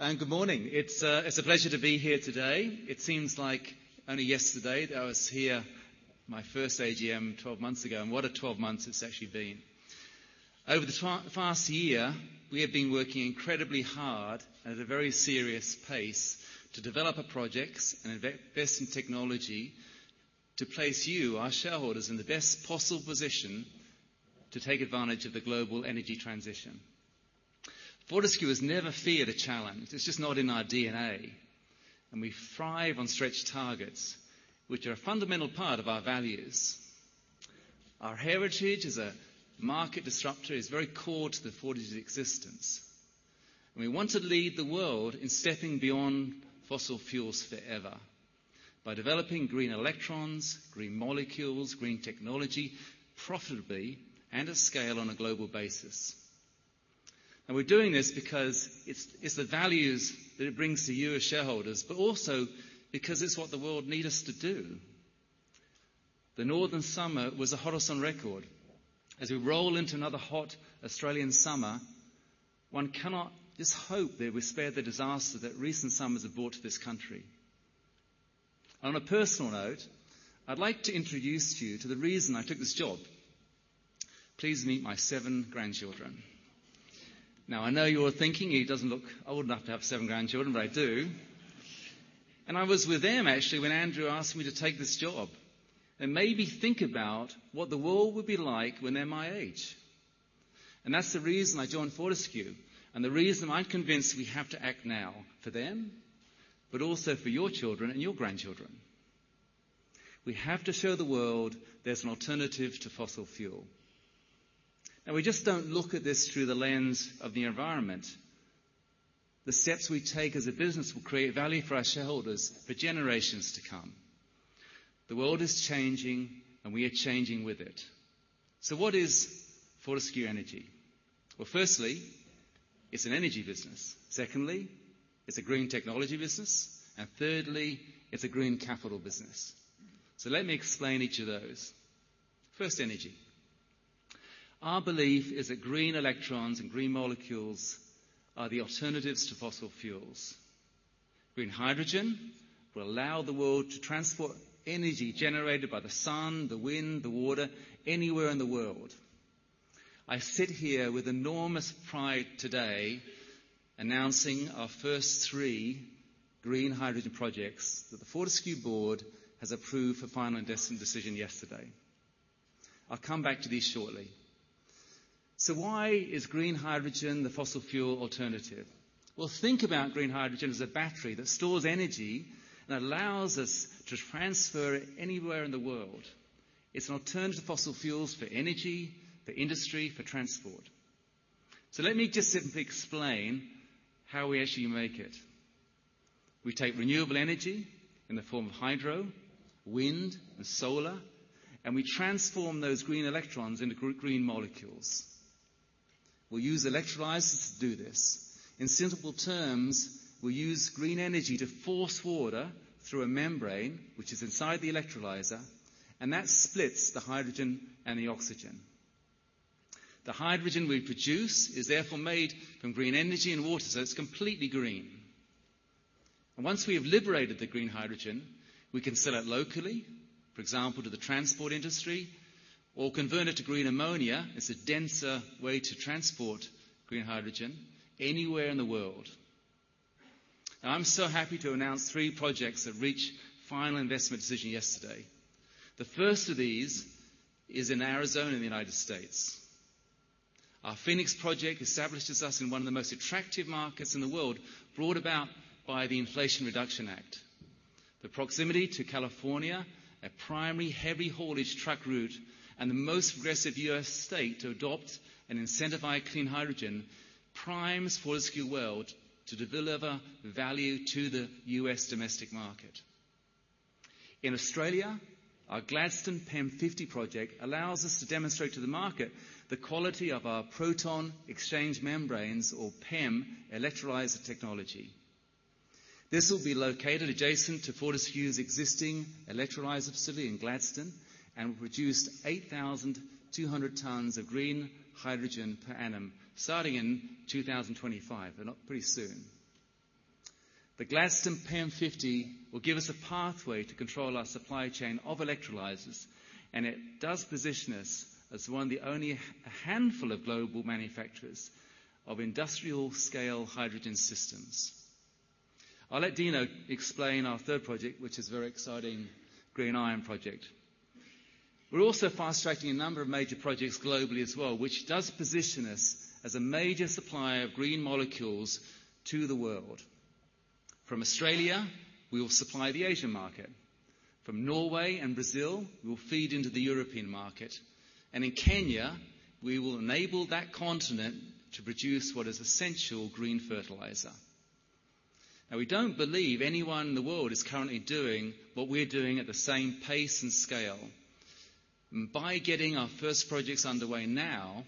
Good morning. It's a pleasure to be here today. It seems like only yesterday that I was here, my first AGM 12 months ago, and what a 12 months it's actually been. Over the past year, we have been working incredibly hard and at a very serious pace to develop our projects and invest in technology to place you, our shareholders, in the best possible position to take advantage of the global energy transition. Fortescue has never feared a challenge. It's just not in our DNA, and we thrive on stretched targets, which are a fundamental part of our values. Our heritage as a market disruptor is very core to the Fortescue's existence. And we want to lead the world in stepping beyond fossil fuels forever by developing green electrons, green molecules, green technology, profitably and at scale on a global basis. And we're doing this because it's, it's the values that it brings to you as shareholders, but also because it's what the world need us to do. The northern summer was the hottest on record. As we roll into another hot Australian summer, one cannot just hope that we're spared the disaster that recent summers have brought to this country. On a personal note, I'd like to introduce to you to the reason I took this job. Please meet my seven grandchildren. Now, I know you're thinking, "He doesn't look old enough to have seven grandchildren," but I do. I was with them actually, when Andrew asked me to take this job and made me think about what the world would be like when they're my age. That's the reason I joined Fortescue, and the reason I'm convinced we have to act now, for them, but also for your children and your grandchildren. We have to show the world there's an alternative to fossil fuel. We just don't look at this through the lens of the environment. The steps we take as a business will create value for our shareholders for generations to come. The world is changing, and we are changing with it. So what is Fortescue Energy? Well, firstly, it's an energy business. Secondly, it's a green technology business. And thirdly, it's a green capital business. So let me explain each of those. First, energy. Our belief is that green electrons and green molecules are the alternatives to fossil fuels. Green hydrogen will allow the world to transport energy generated by the sun, the wind, the water, anywhere in the world. I sit here with enormous pride today, announcing our first three green hydrogen projects that the Fortescue Board has approved for final investment decision yesterday. I'll come back to these shortly. So why is green hydrogen the fossil fuel alternative? Well, think about green hydrogen as a battery that stores energy and allows us to transfer it anywhere in the world. It's an alternative to fossil fuels for energy, for industry, for transport. So let me just simply explain how we actually make it. We take renewable energy in the form of hydro, wind, and solar, and we transform those green electrons into green molecules. We'll use electrolyzers to do this. In simple terms, we'll use green energy to force water through a membrane, which is inside the electrolyzer, and that splits the hydrogen and the oxygen. The hydrogen we produce is therefore made from green energy and water, so it's completely green... And once we have liberated the green hydrogen, we can sell it locally, for example, to the transport industry, or convert it to green ammonia, as a denser way to transport green hydrogen anywhere in the world. Now, I'm so happy to announce three projects that reached final investment decision yesterday. The first of these is in Arizona, in the United States. Our Phoenix project establishes us in one of the most attractive markets in the world, brought about by the Inflation Reduction Act. The proximity to California, a primary heavy haulage truck route, and the most progressive U.S. state to adopt and incentivize clean hydrogen, primes Fortescue World to deliver value to the U.S. domestic market. In Australia, our Gladstone PEM50 project allows us to demonstrate to the market the quality of our proton exchange membranes or PEM electrolyzer technology. This will be located adjacent to Fortescue's existing electrolyzer facility in Gladstone, and will produce 8,200 tons of green hydrogen per annum, starting in 2025, and pretty soon. The Gladstone PEM50 will give us a pathway to control our supply chain of electrolyzers, and it does position us as one of the only handful of global manufacturers of industrial-scale hydrogen systems. I'll let Dino explain our third project, which is a very exciting green iron project. We're also fast-tracking a number of major projects globally as well, which does position us as a major supplier of green molecules to the world. From Australia, we will supply the Asian market. From Norway and Brazil, we will feed into the European market. And in Kenya, we will enable that continent to produce what is essential green fertilizer. Now, we don't believe anyone in the world is currently doing what we're doing at the same pace and scale. And by getting our first projects underway now,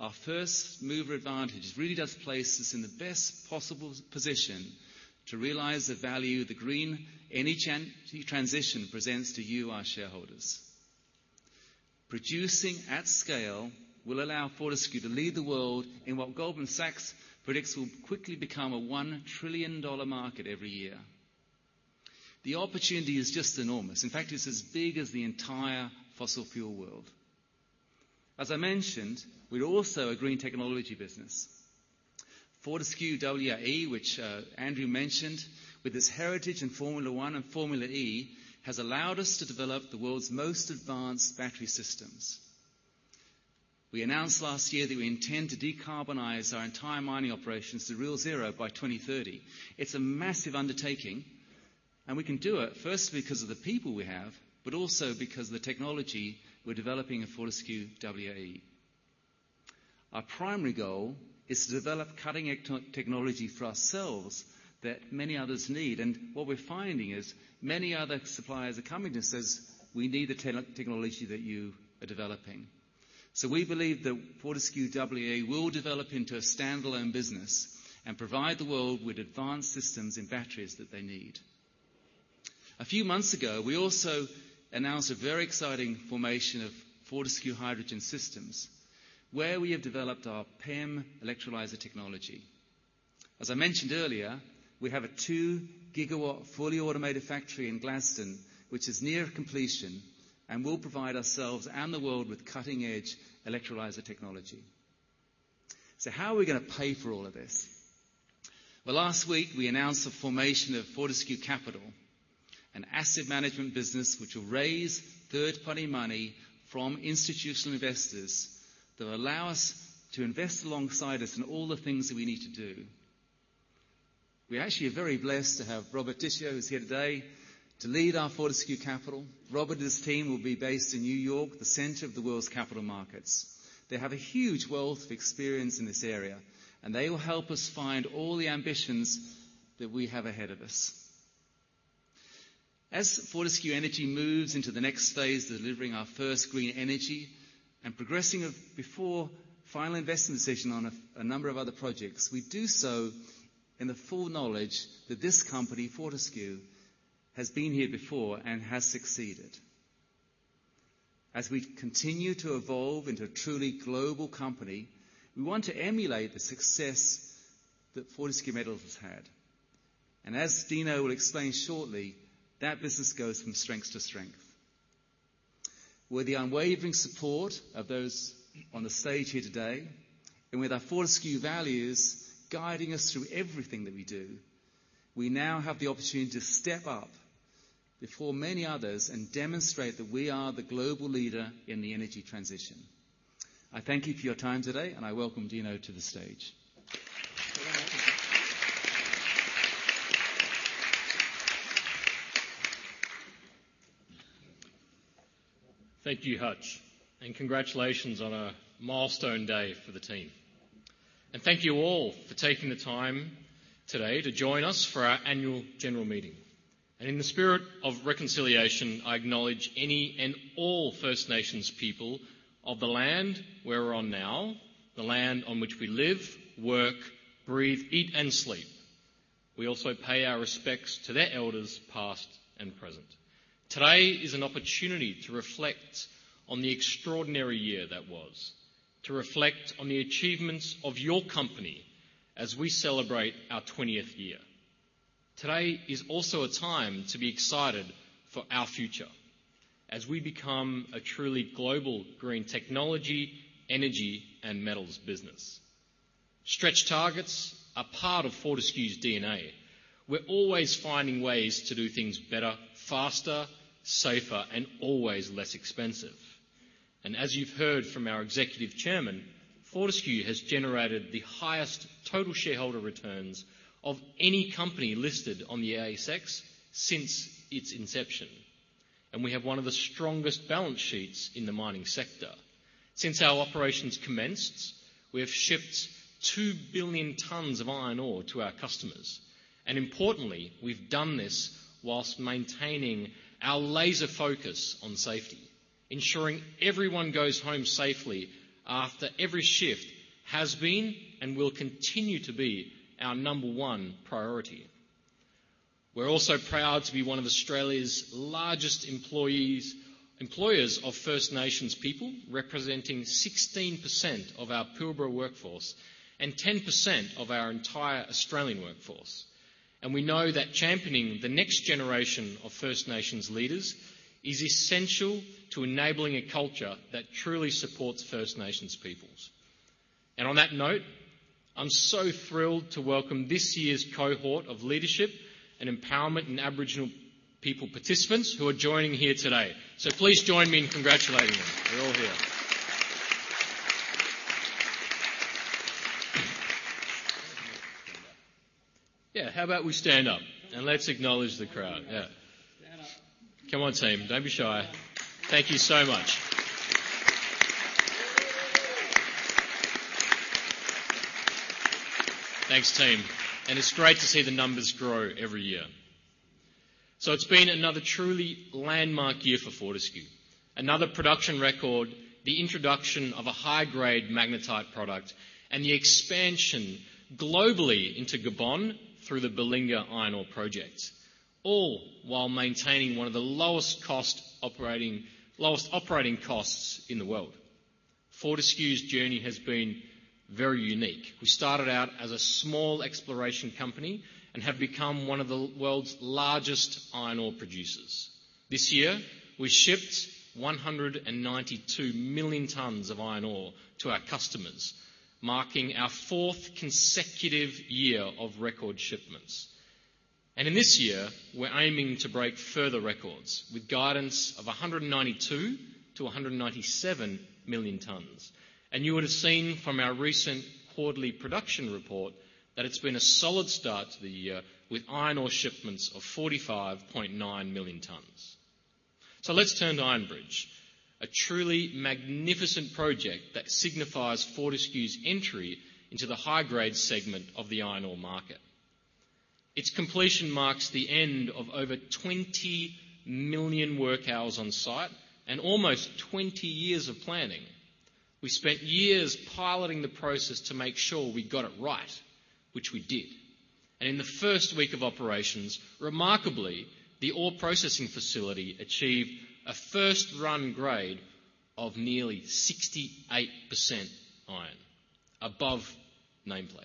our first mover advantage really does place us in the best possible position to realize the value the green energy transition presents to you, our shareholders. Producing at scale will allow Fortescue to lead the world in what Goldman Sachs predicts will quickly become a $1 trillion market every year. The opportunity is just enormous. In fact, it's as big as the entire fossil fuel world. As I mentioned, we're also a green technology business. Fortescue WAE, which, Andrew mentioned, with its heritage in Formula One and Formula E, has allowed us to develop the world's most advanced battery systems. We announced last year that we intend to decarbonize our entire mining operations to real zero by 2030. It's a massive undertaking, and we can do it firstly because of the people we have, but also because of the technology we're developing at Fortescue WAE. Our primary goal is to develop cutting-edge technology for ourselves that many others need, and what we're finding is many other suppliers are coming to us and says, "We need the technology that you are developing." So we believe that Fortescue WAE will develop into a standalone business and provide the world with advanced systems and batteries that they need. A few months ago, we also announced a very exciting formation of Fortescue Hydrogen Systems, where we have developed our PEM electrolyzer technology. As I mentioned earlier, we have a 2 GW fully automated factory in Gladstone, which is near completion, and will provide ourselves and the world with cutting-edge electrolyzer technology. So how are we gonna pay for all of this? Well, last week we announced the formation of Fortescue Capital, an asset management business which will raise third-party money from institutional investors that will allow us to invest alongside us in all the things that we need to do. We actually are very blessed to have Robert Tichio, who's here today, to lead our Fortescue Capital. Robert and his team will be based in New York, the center of the world's capital markets. They have a huge wealth of experience in this area, and they will help us fund all the ambitions that we have ahead of us. As Fortescue Energy moves into the next phase of delivering our first green energy and progressing before final investment decision on a number of other projects, we do so in the full knowledge that this company, Fortescue, has been here before and has succeeded. As we continue to evolve into a truly global company, we want to emulate the success that Fortescue Metals has had. As Dino will explain shortly, that business goes from strength to strength. With the unwavering support of those on the stage here today, and with our Fortescue values guiding us through everything that we do, we now have the opportunity to step up before many others and demonstrate that we are the global leader in the energy transition. I thank you for your time today, and I welcome Dino to the stage. Thank you, Hutch, and congratulations on a milestone day for the team. Thank you all for taking the time today to join us for our Annual General Meeting. In the spirit of reconciliation, I acknowledge any and all First Nations people of the land we're on now, the land on which we live, work, breathe, eat, and sleep. We also pay our respects to their elders, past and present... Today is an opportunity to reflect on the extraordinary year that was. To reflect on the achievements of your company as we celebrate our twentieth year. Today is also a time to be excited for our future as we become a truly global green technology, energy, and metals business. Stretch targets are part of Fortescue's DNA. We're always finding ways to do things better, faster, safer, and always less expensive. As you've heard from our Executive Chairman, Fortescue has generated the highest total shareholder returns of any company listed on the ASX since its inception, and we have one of the strongest balance sheets in the mining sector. Since our operations commenced, we have shipped 2 billion tons of iron ore to our customers, and importantly, we've done this while maintaining our laser focus on safety. Ensuring everyone goes home safely after every shift has been, and will continue to be, our number one priority. We're also proud to be one of Australia's largest employers of First Nations people, representing 16% of our Pilbara workforce and 10% of our entire Australian workforce. And we know that championing the next generation of First Nations leaders is essential to enabling a culture that truly supports First Nations peoples. I'm so thrilled to welcome this year's cohort of Leadership and Empowerment for Aboriginal People participants who are joining here today. Please join me in congratulating them. They're all here. Yeah, how about we stand up, and let's acknowledge the crowd? Yeah. Come on, team, don't be shy. Thank you so much. Thanks, team, and it's great to see the numbers grow every year. So it's been another truly landmark year for Fortescue. Another production record, the introduction of a high-grade magnetite product, and the expansion globally into Gabon through the Belinga Iron Ore Project, all while maintaining one of the lowest cost operating, lowest operating costs in the world. Fortescue's journey has been very unique. We started out as a small exploration company and have become one of the world's largest iron ore producers. This year, we shipped 192 million tons of iron ore to our customers, marking our fourth consecutive year of record shipments. In this year, we're aiming to break further records with guidance of 192-197 million tons. You would have seen from our recent quarterly production report that it's been a solid start to the year, with iron ore shipments of 45.9 million tons. Let's turn to Iron Bridge, a truly magnificent project that signifies Fortescue's entry into the high-grade segment of the iron ore market. Its completion marks the end of over 20 million work hours on site and almost 20 years of planning. We spent years piloting the process to make sure we got it right, which we did. In the first week of operations, remarkably, the ore processing facility achieved a first-run grade of nearly 68% iron above nameplate.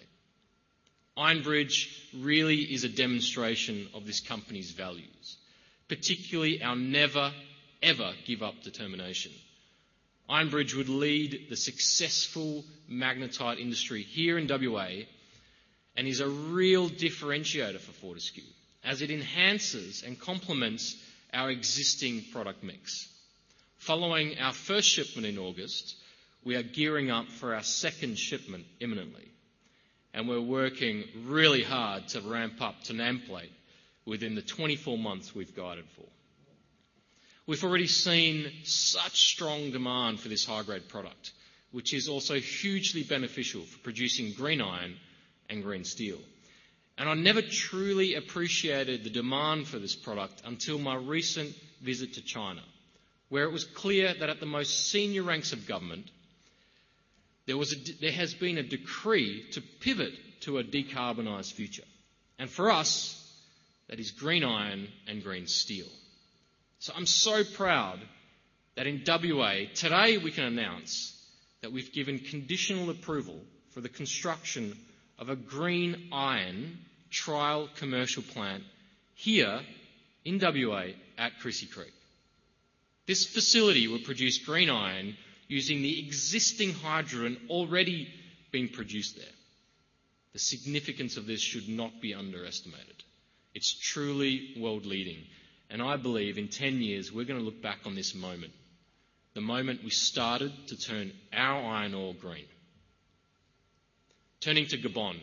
Iron Bridge really is a demonstration of this company's values, particularly our never, ever give up determination. Iron Bridge would lead the successful magnetite industry here in WA, and is a real differentiator for Fortescue as it enhances and complements our existing product mix. Following our first shipment in August, we are gearing up for our second shipment imminently, and we're working really hard to ramp up to nameplate within the 24 months we've guided for. We've already seen such strong demand for this high-grade product, which is also hugely beneficial for producing green iron and green steel. And I never truly appreciated the demand for this product until my recent visit to China, where it was clear that at the most senior ranks of government, there has been a decree to pivot to a decarbonized future, and for us, that is green iron and green steel. I'm so proud that in WA, today, we can announce that we've given conditional approval for the construction of a green iron trial commercial plant here in WA at Chrissy Creek. This facility will produce green iron using the existing hydrogen already being produced there. The significance of this should not be underestimated. It's truly world-leading, and I believe in 10 years we're going to look back on this moment, the moment we started to turn our iron ore green. Turning to Gabon,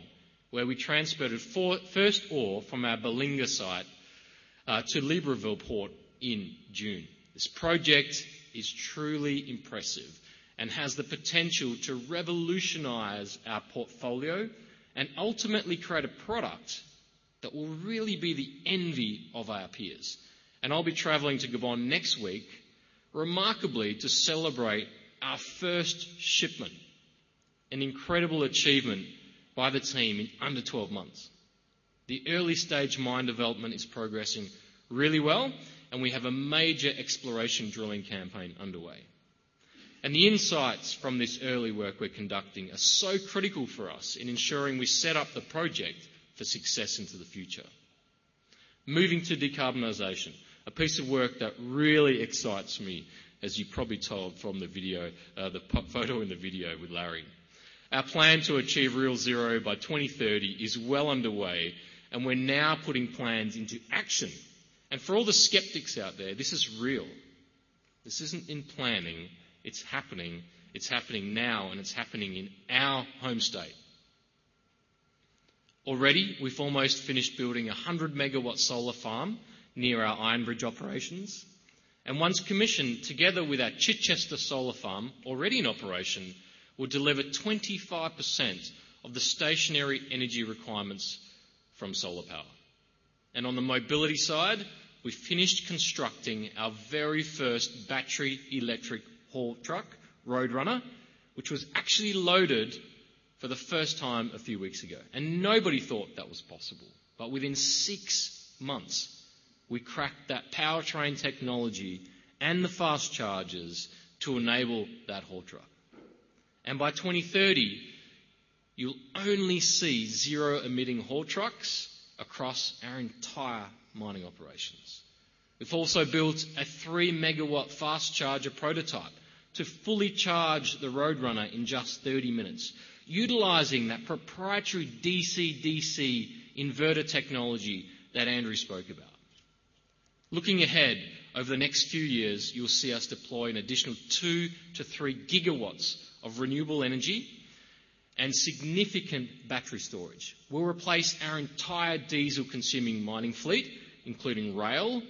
where we transferred four—first ore from our Belinga site to Libreville Port in June. This project is truly impressive and has the potential to revolutionize our portfolio and ultimately create a product that will really be the envy of our peers. I'll be traveling to Gabon next week, remarkably, to celebrate our first shipment. An incredible achievement by the team in under 12 months. The early-stage mine development is progressing really well, and we have a major exploration drilling campaign underway. The insights from this early work we're conducting are so critical for us in ensuring we set up the project for success into the future. Moving to decarbonization, a piece of work that really excites me, as you probably told from the video, the pop photo in the video with Larry. Our plan to achieve Real Zero by 2030 is well underway, and we're now putting plans into action. For all the skeptics out there, this is real. This isn't in planning; it's happening. It's happening now, and it's happening in our home state. Already, we've almost finished building a 100 MW solar farm near our Iron Bridge operations, and once commissioned, together with our Chichester Solar Farm, already in operation, will deliver 25% of the stationary energy requirements from solar power. On the mobility side, we finished constructing our very first battery electric haul truck, Roadrunner, which was actually loaded for the first time a few weeks ago. Nobody thought that was possible, but within six months, we cracked that powertrain technology and the fast chargers to enable that haul truck. By 2030, you'll only see zero-emitting haul trucks across our entire mining operations. We've also built a 3 MW fast charger prototype to fully charge the Roadrunner in just 30 minutes, utilizing that proprietary DC-DC inverter technology that Andrew spoke about. Looking ahead, over the next few years, you'll see us deploy an additional 2 GW-3 GW of renewable energy and significant battery storage. We'll replace our entire diesel-consuming mining fleet, including rail,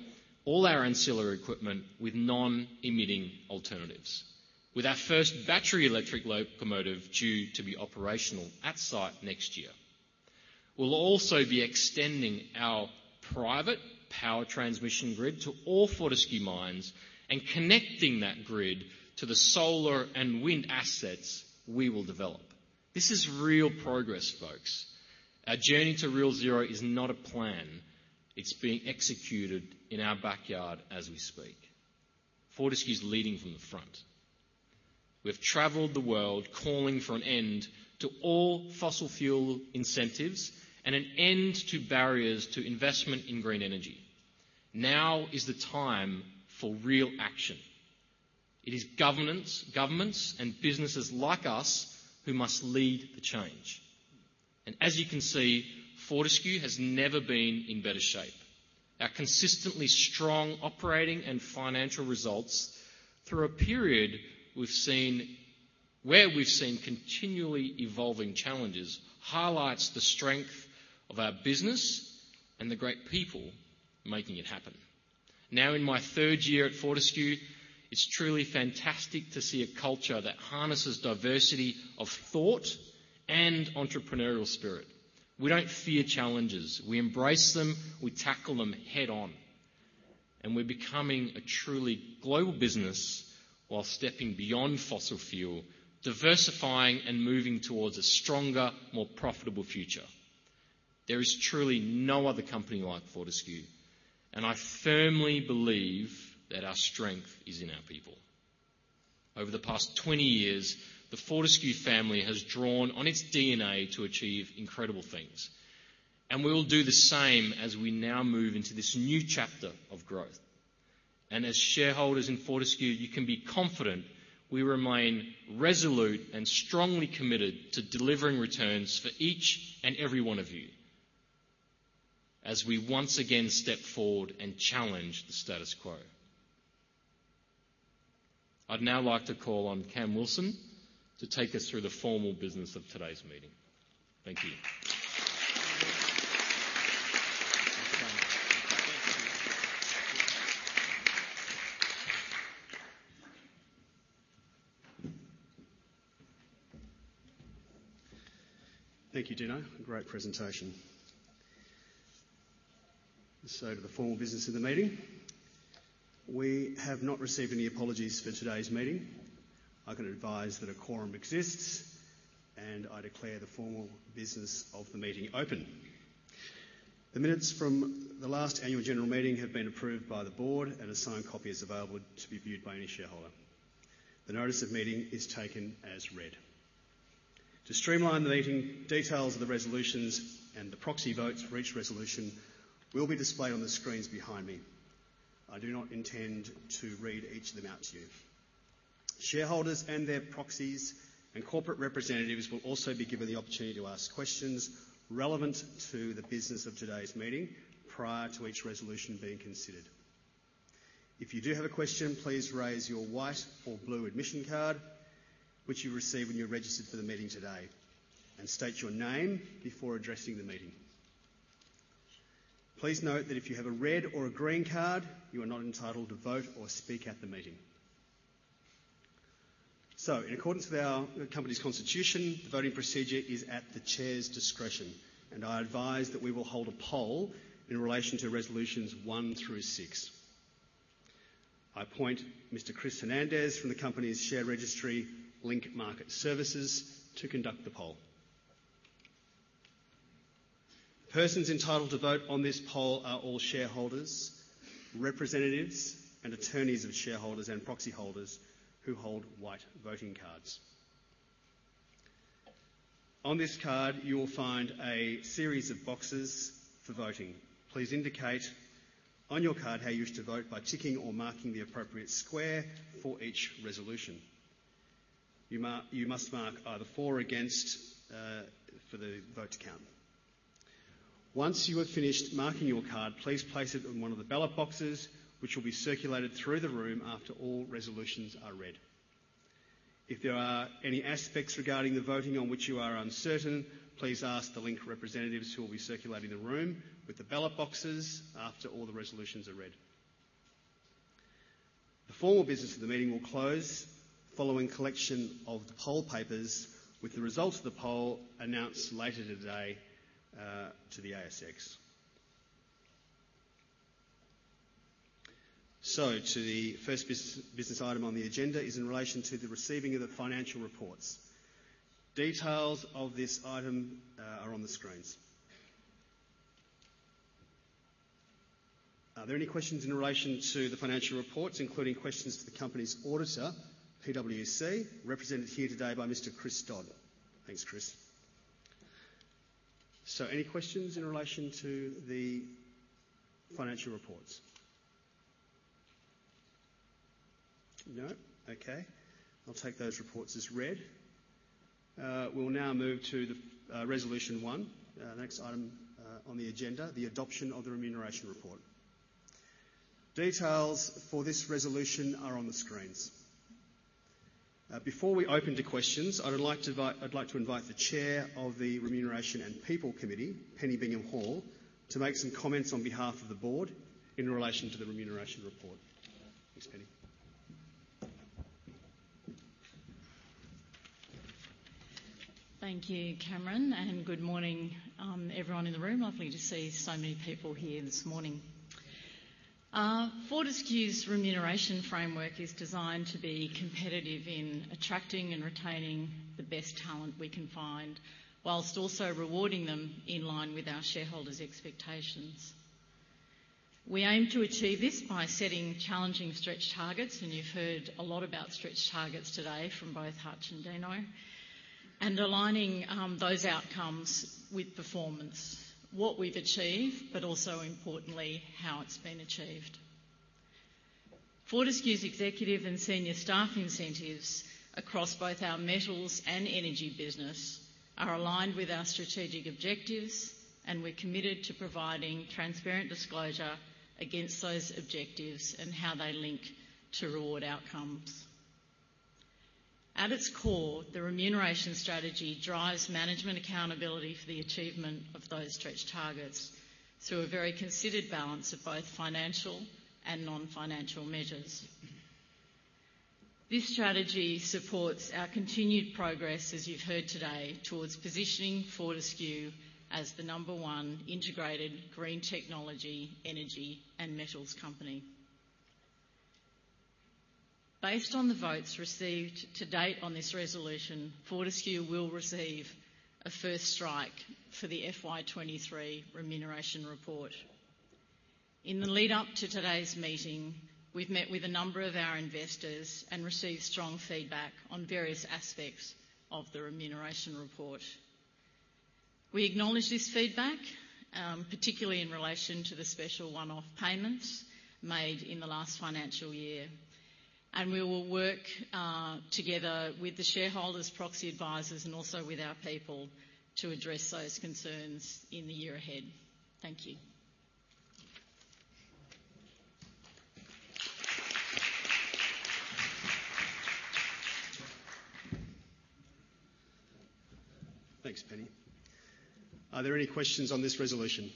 all our ancillary equipment, with non-emitting alternatives. With our first battery electric locomotive due to be operational at site next year. We'll also be extending our private power transmission grid to all Fortescue mines and connecting that grid to the solar and wind assets we will develop. This is real progress, folks. Our journey to Real Zero is not a plan, it's being executed in our backyard as we speak. Fortescue is leading from the front. We've traveled the world calling for an end to all fossil fuel incentives and an end to barriers to investment in green energy. Now is the time for real action. It is governments, governments and businesses like us who must lead the change. As you can see, Fortescue has never been in better shape. Our consistently strong operating and financial results through a period we've seen, where we've seen continually evolving challenges, highlights the strength of our business and the great people making it happen. Now, in my third year at Fortescue, it's truly fantastic to see a culture that harnesses diversity of thought and entrepreneurial spirit. We don't fear challenges; we embrace them, we tackle them head-on, and we're becoming a truly global business while stepping beyond fossil fuel, diversifying and moving towards a stronger, more profitable future. There is truly no other company like Fortescue, and I firmly believe that our strength is in our people. Over the past 20 years, the Fortescue family has drawn on its DNA to achieve incredible things, and we will do the same as we now move into this new chapter of growth. As shareholders in Fortescue, you can be confident we remain resolute and strongly committed to delivering returns for each and every one of you, as we once again step forward and challenge the status quo. I'd now like to call on Cam Wilson to take us through the formal business of today's meeting. Thank you. Thank you, Dino. Great presentation. So to the formal business of the meeting. We have not received any apologies for today's meeting. I can advise that a quorum exists, and I declare the formal business of the meeting open. The minutes from the last Annual General Meeting have been approved by the Board, and a signed copy is available to be viewed by any shareholder. The notice of meeting is taken as read. To streamline the meeting, details of the resolutions and the proxy votes for each resolution will be displayed on the screens behind me. I do not intend to read each of them out to you. Shareholders and their proxies and corporate representatives will also be given the opportunity to ask questions relevant to the business of today's meeting prior to each resolution being considered. If you do have a question, please raise your white or blue admission card, which you received when you registered for the meeting today, and state your name before addressing the meeting. Please note that if you have a red or a green card, you are not entitled to vote or speak at the meeting. So in accordance with our company's constitution, the voting procedure is at the Chair's discretion, and I advise that we will hold a poll in relation to resolutions 1 through 6. I appoint Mr. Chris Hernandez from the company's share registry, Link Market Services, to conduct the poll. Persons entitled to vote on this poll are all shareholders, representatives, and attorneys of shareholders and proxy holders who hold white voting cards. On this card, you will find a series of boxes for voting. Please indicate on your card how you wish to vote by ticking or marking the appropriate square for each resolution. You must mark either for or against for the vote to count. Once you have finished marking your card, please place it in one of the ballot boxes, which will be circulated through the room after all resolutions are read. If there are any aspects regarding the voting on which you are uncertain, please ask the Link representatives who will be circulating the room with the ballot boxes after all the resolutions are read. The formal business of the meeting will close following collection of the poll papers, with the results of the poll announced later today to the ASX. The first business item on the agenda is in relation to the receiving of the financial reports. Details of this item are on the screens. Are there any questions in relation to the financial reports, including questions for the company's auditor, PwC, represented here today by Mr. Chris Dodd? Thanks, Chris. So any questions in relation to the financial reports? No? Okay, I'll take those reports as read. We'll now move to the resolution one, next item on the agenda, the adoption of the remuneration report. Details for this resolution are on the screens. Before we open to questions, I would like to invite the Chair of the Remuneration and People Committee, Penny Bingham-Hall, to make some comments on behalf of the Board in relation to the remuneration report. Thanks, Penny. Thank you, Cameron, and good morning, everyone in the room. Lovely to see so many people here this morning. Fortescue's remuneration framework is designed to be competitive in attracting and retaining the best talent we can find, while also rewarding them in line with our shareholders' expectations. We aim to achieve this by setting challenging stretch targets, and you've heard a lot about stretch targets today from both Hutch and Dino, and aligning those outcomes with performance, what we've achieved, but also importantly, how it's been achieved. Fortescue's executive and senior staff incentives across both our metals and energy business are aligned with our strategic objectives, and we're committed to providing transparent disclosure against those objectives and how they link to reward outcomes. At its core, the remuneration strategy drives management accountability for the achievement of those stretch targets through a very considered balance of both financial and non-financial measures. This strategy supports our continued progress, as you've heard today, towards positioning Fortescue as the number one integrated green technology, energy, and metals company. Based on the votes received to date on this resolution, Fortescue will receive a first strike for the FY 2023 remuneration report. In the lead up to today's meeting, we've met with a number of our investors and received strong feedback on various aspects of the remuneration report. We acknowledge this feedback, particularly in relation to the special one-off payment made in the last financial year, and we will work together with the shareholders, proxy advisors, and also with our people, to address those concerns in the year ahead. Thank you. Thanks, Penny. Are there any questions on this resolution?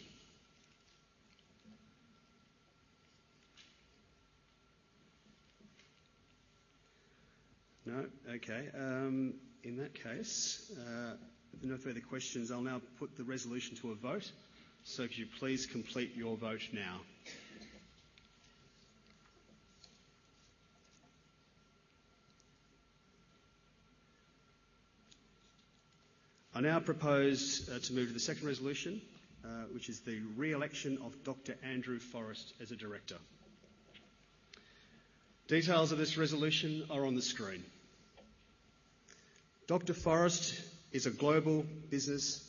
No? Okay. In that case, if no further questions, I'll now put the resolution to a vote. So could you please complete your vote now? I now propose to move to the second resolution, which is the re-election of Dr. Andrew Forrest as a director. Details of this resolution are on the screen. Dr. Forrest is a global business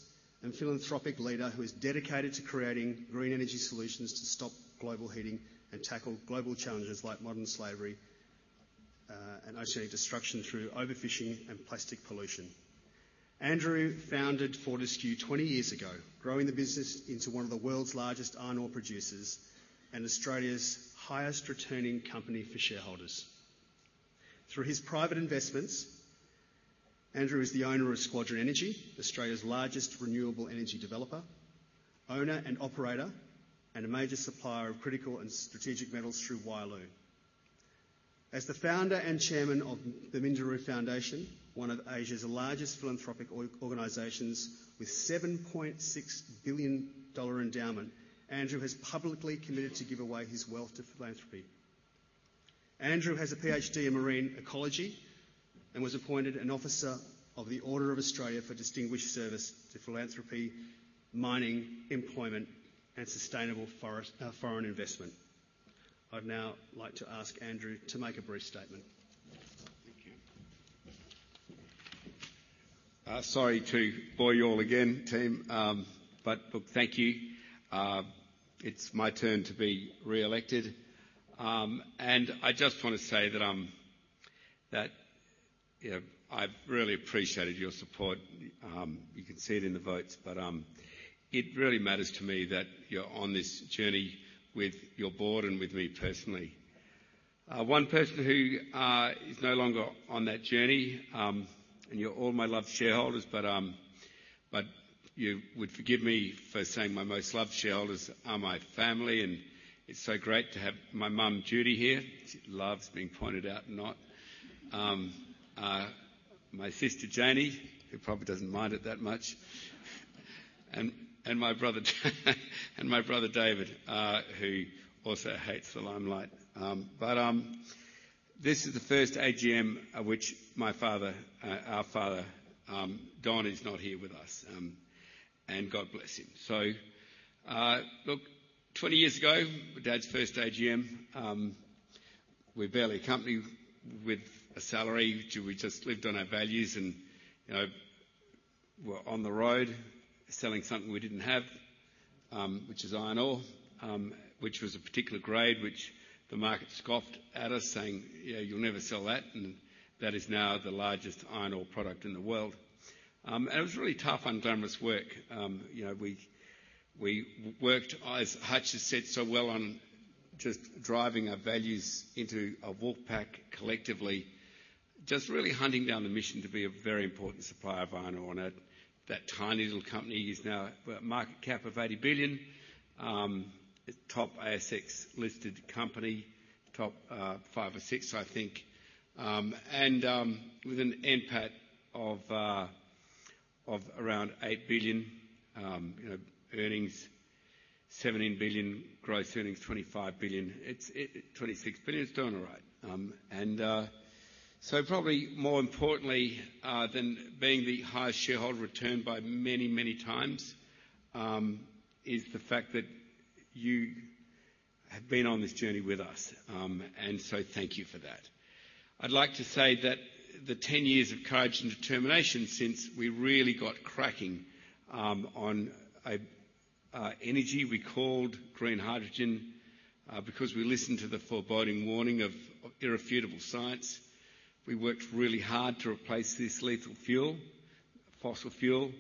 and philanthropic leader who is dedicated to creating green energy solutions to stop global heating and tackle global challenges like modern slavery, and oceanic destruction through overfishing and plastic pollution. Andrew founded Fortescue 20 years ago, growing the business into one of the world's largest iron ore producers and Australia's highest returning company for shareholders. Through his private investments, Andrew is the owner of Squadron Energy, Australia's largest renewable energy developer, owner and operator, and a major supplier of critical and strategic metals through Wyloo. As the founder and chairman of the Minderoo Foundation, one of Asia's largest philanthropic organizations, with 7.6 billion dollar endowment, Andrew has publicly committed to give away his wealth to philanthropy. Andrew has a PhD in Marine Ecology and was appointed an Officer of the Order of Australia for distinguished service to philanthropy, mining, employment, and sustainable foreign investment. I'd now like to ask Andrew to make a brief statement. Thank you. Sorry to bore you all again, team, but look, thank you. It's my turn to be reelected. And I just wanna say that I'm, you know, I've really appreciated your support. You can see it in the votes, but it really matters to me that you're on this journey with your Board and with me personally. One person who is no longer on that journey, and you're all my loved shareholders, but you would forgive me for saying my most loved shareholders are my family, and it's so great to have my mum, Judy, here. She loves being pointed out, not. My sister, Janie, who probably doesn't mind it that much. And my brother and my brother, David, who also hates the limelight. But, this is the first AGM at which my father, our father, Don, is not here with us. And God bless him. So, look, 20 years ago, Dad's first AGM, we were barely a company with a salary. We just lived on our values and, you know, were on the road selling something we didn't have, which is iron ore, which was a particular grade which the market scoffed at us, saying, "Yeah, you'll never sell that," and that is now the largest iron ore product in the world. And it was really tough, unglamorous work. You know, we worked, as Hutch has said so well, on just driving our values into a wolf pack collectively, just really hunting down the mission to be a very important supplier of iron ore. And that tiny little company is now a market cap of 80 billion, a top ASX-listed company, top 5 or 6, I think. And with an NPAT of around 8 billion, you know, earnings 17 billion, gross earnings 25 billion... It's 26 billion. It's doing all right. And so probably more importantly than being the highest shareholder return by many, many times is the fact that you have been on this journey with us. And so thank you for that. I'd like to say that the 10 years of courage and determination since we really got cracking on a energy we called green hydrogen because we listened to the foreboding warning of irrefutable science. We worked really hard to replace this lethal fuel, fossil fuel,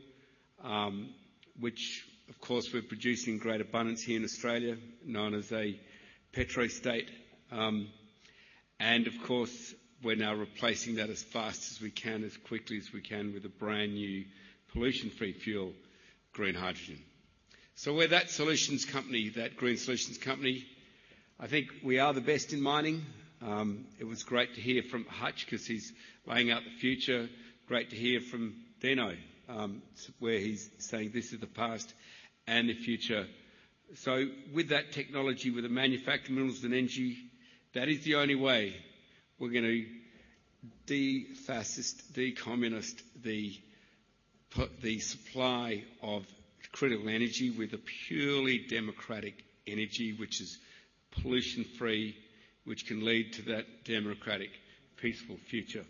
which of course, we're producing in great abundance here in Australia, known as a petrostate. And of course, we're now replacing that as fast as we can, as quickly as we can, with a brand-new pollution-free fuel, green hydrogen. So we're that solutions company, that green solutions company. I think we are the best in mining. It was great to hear from Hutch 'cause he's laying out the future. Great to hear from Dino, where he's saying, "This is the past and the future." So with that technology, with the manufacturing, minerals, and energy, that is the only way we're gonna de-fascist, de-communist the supply of critical energy with a purely democratic energy, which is pollution-free, which can lead to that democratic, peaceful future.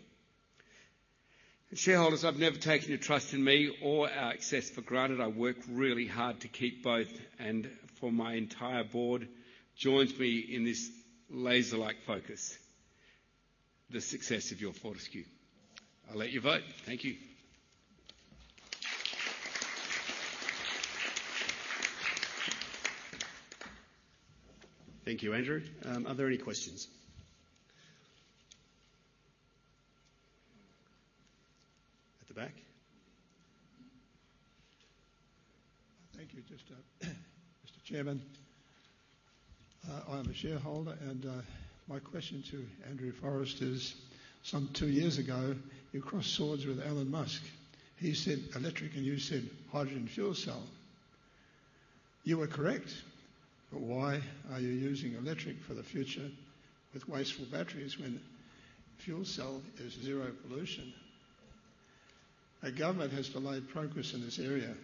Shareholders, I've never taken your trust in me or our success for granted. I work really hard to keep both, and for my entire Board joins me in this laser-like focus, the success of your Fortescue. I'll let you vote. Thank you. Thank you, Andrew. Are there any questions? At the back. Thank you. Just, Mr. Chairman, I'm a shareholder, and my question to Andrew Forrest is: Some two years ago, you crossed swords with Elon Musk. He said, "Electric," and you said, "Hydrogen fuel cell." You were correct, but why are you using electric for the future with wasteful batteries when fuel cell is zero pollution? Our government has delayed progress in this area.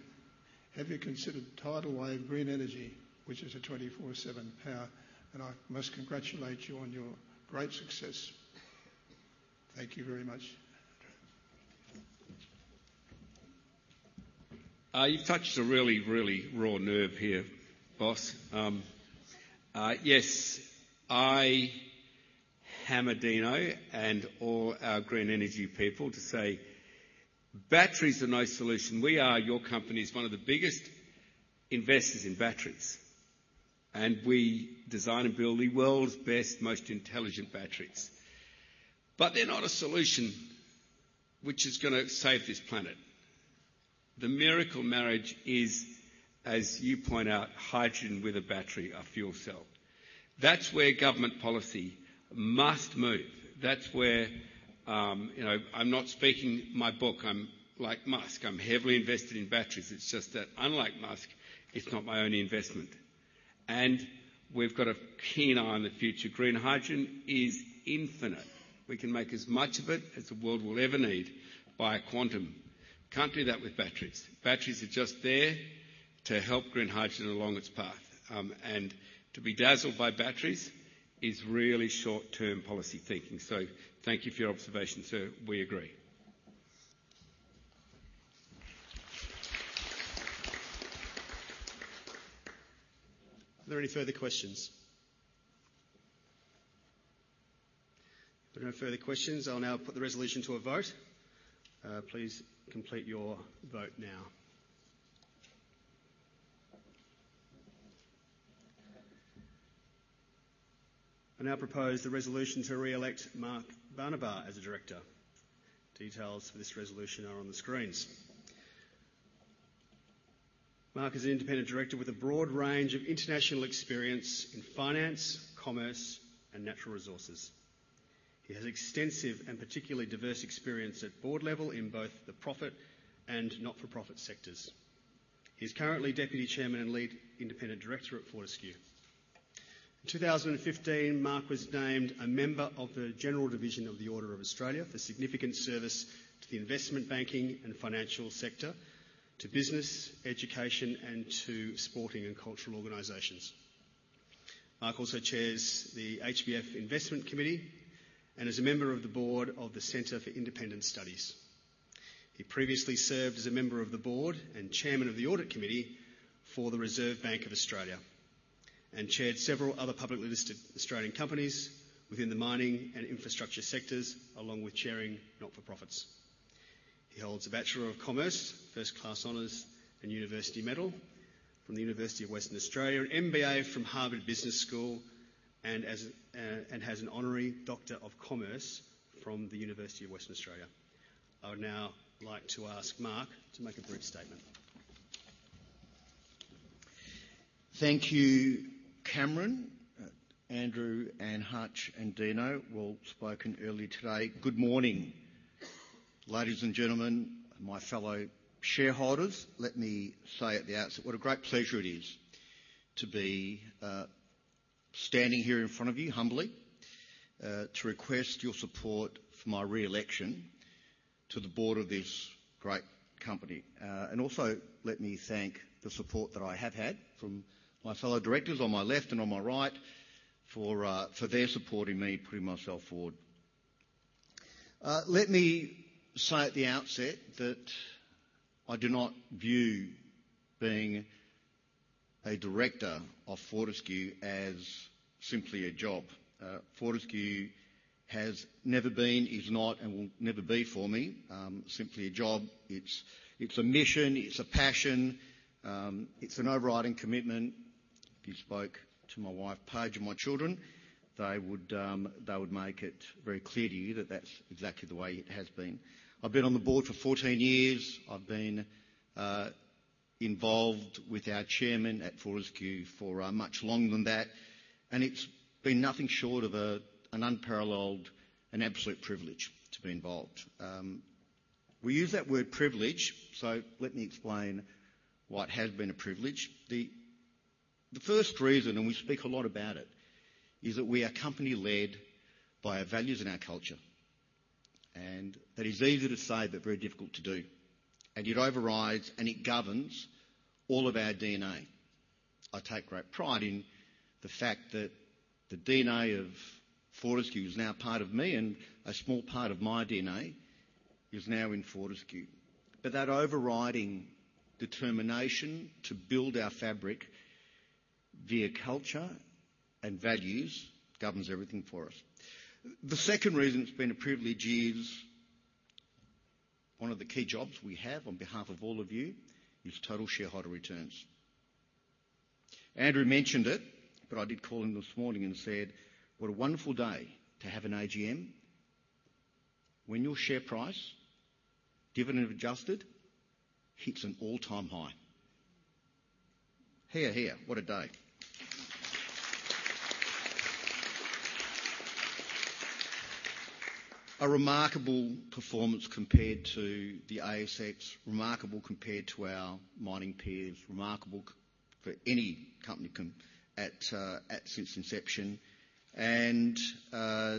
Have you considered tidal wave green energy, which is a 24/7 power? And I must congratulate you on your great success. Thank you very much. You've touched a really, really raw nerve here, boss. Yes, I hammered Dino and all our green energy people to say battery is a no solution. We are, your company, is one of the biggest investors in batteries, and we design and build the world's best, most intelligent batteries. But they're not a solution which is gonna save this planet.... The miracle marriage is, as you point out, hydrogen with a battery, a fuel cell. That's where government policy must move. That's where, you know, I'm not speaking my book. I'm like Musk, I'm heavily invested in batteries. It's just that, unlike Musk, it's not my only investment, and we've got a keen eye on the future. Green hydrogen is infinite. We can make as much of it as the world will ever need by a quantum. Can't do that with batteries. Batteries are just there to help green hydrogen along its path. And to be dazzled by batteries is really short-term policy thinking. So thank you for your observation, sir. We agree. Are there any further questions? If there are no further questions, I'll now put the resolution to a vote. Please complete your vote now. I now propose the resolution to re-elect Mark Barnaba as a director. Details for this resolution are on the screens. Mark is an independent director with a broad range of international experience in finance, commerce, and natural resources. He has extensive and particularly diverse experience at Board level in both the profit and not-for-profit sectors. He's currently Deputy Chairman and Lead Independent Director at Fortescue. In 2015, Mark was named a member of the General Division of the Order of Australia for significant service to the investment banking and financial sector, to business, education, and to sporting and cultural organizations. Mark also chairs the HBF Investment Committee and is a member of the Board of the Centre for Independent Studies. He previously served as a member of the Board and chairman of the audit committee for the Reserve Bank of Australia, and chaired several other publicly listed Australian companies within the mining and infrastructure sectors, along with chairing not-for-profits. He holds a Bachelor of Commerce, First Class Honors and University Medal from the University of Western Australia, an MBA from Harvard Business School, and as a, and has an Honorary Doctor of Commerce from the University of Western Australia. I would now like to ask Mark to make a brief statement. Thank you, Cameron, Andrew, and Hutch and Dino. Well spoken earlier today. Good morning, ladies and gentlemen, my fellow shareholders. Let me say at the outset, what a great pleasure it is to be standing here in front of you humbly to request your support for my re-election to the Board of this great company. And also, let me thank the support that I have had from my fellow directors on my left and on my right for their support in me putting myself forward. Let me say at the outset that I do not view being a director of Fortescue as simply a job. Fortescue has never been, is not, and will never be for me simply a job. It's a mission, it's a passion, it's an overriding commitment. If you spoke to my wife, Paige, and my children, they would, they would make it very clear to you that that's exactly the way it has been. I've been on the Board for 14 years. I've been involved with our chairman at Fortescue for much longer than that, and it's been nothing short of an unparalleled and absolute privilege to be involved. We use that word privilege, so let me explain why it has been a privilege. The first reason, and we speak a lot about it, is that we are a company led by our values and our culture, and that is easy to say, but very difficult to do, and it overrides and it governs all of our DNA. I take great pride in the fact that the DNA of Fortescue is now part of me, and a small part of my DNA is now in Fortescue. But that overriding determination to build our fabric via culture and values governs everything for us. The second reason it's been a privilege is, one of the key jobs we have on behalf of all of you is total shareholder returns. Andrew mentioned it, but I did call him this morning and said, "What a wonderful day to have an AGM when your share price, dividend adjusted, hits an all-time high." Hear, hear. What a day! A remarkable performance compared to the ASX, remarkable compared to our mining peers, remarkable for any company at, at since inception. We,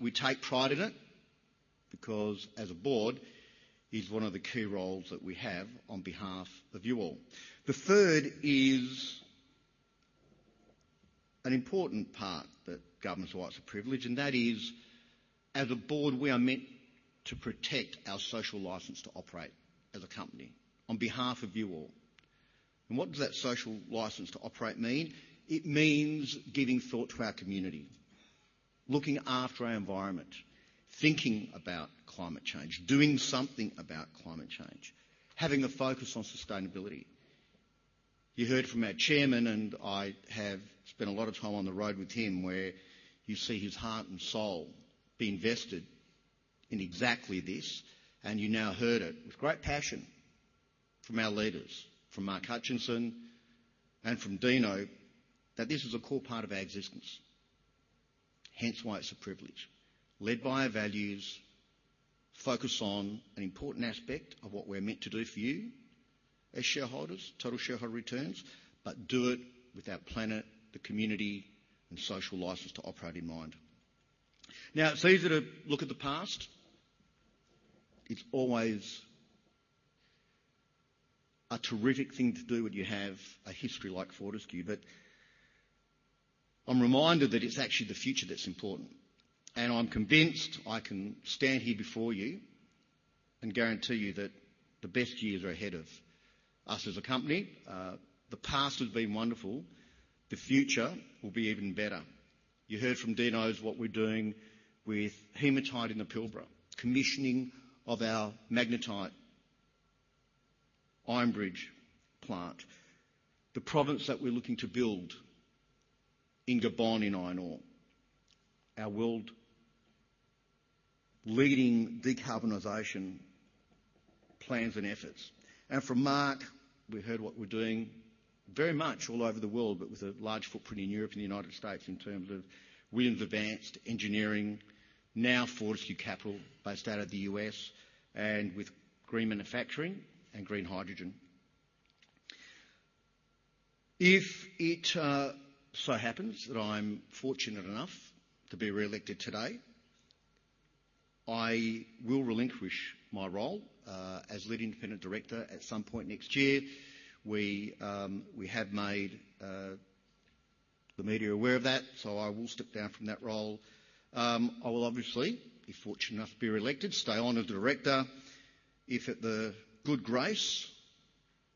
we take pride in it because, as a Board, it's one of the key roles that we have on behalf of you all. The third is an important part that governs why it's a privilege, and that is, as a Board, we are meant to protect our social license to operate as a company on behalf of you all. What does that social license to operate mean? It means giving thought to our community, looking after our environment, thinking about climate change, doing something about climate change, having a focus on sustainability.... You heard from our chairman, and I have spent a lot of time on the road with him, where you see his heart and soul be invested in exactly this. You now heard it with great passion from our leaders, from Mark Hutchinson and from Dino, that this is a core part of our existence. Hence why it's a privilege. Led by our values, focused on an important aspect of what we're meant to do for you as shareholders, total shareholder returns, but do it with our planet, the community, and social license to operate in mind. Now, it's easy to look at the past. It's always a terrific thing to do when you have a history like Fortescue. But I'm reminded that it's actually the future that's important, and I'm convinced I can stand here before you and guarantee you that the best years are ahead of us as a company. The past has been wonderful. The future will be even better. You heard from Dino what we're doing with hematite in the Pilbara, commissioning of our magnetite Iron Bridge plant, the province that we're looking to build in Gabon in iron ore, our world-leading decarbonization plans and efforts. And from Mark, we heard what we're doing very much all over the world, but with a large footprint in Europe and the United States in terms of Williams Advanced Engineering, now Fortescue Capital, based out of the U.S., and with green manufacturing and green hydrogen. If it so happens that I'm fortunate enough to be reelected today, I will relinquish my role as lead independent director at some point next year. We have made the media aware of that, so I will step down from that role. I will obviously, if fortunate enough to be reelected, stay on as a director. If at the good grace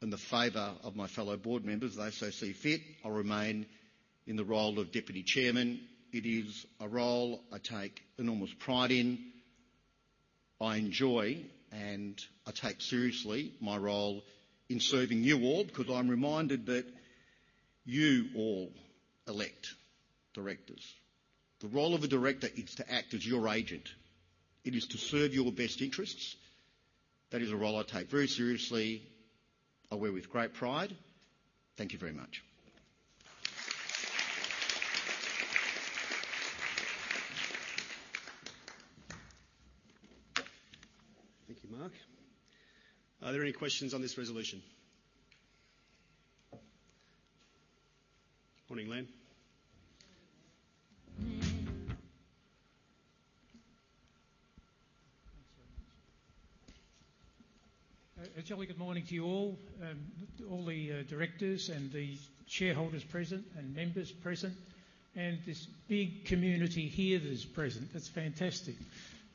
and the favor of my fellow Board members, they so see fit, I'll remain in the role of Deputy Chairman. It is a role I take enormous pride in. I enjoy and I take seriously my role in serving you all, because I'm reminded that you all elect directors. The role of a director is to act as your agent. It is to serve your best interests. That is a role I take very seriously. I wear with great pride. Thank you very much. Thank you, Mark. Are there any questions on this resolution? Morning, Len. Jolly good morning to you all, all the directors and the shareholders present and members present, and this big community here that is present. That's fantastic.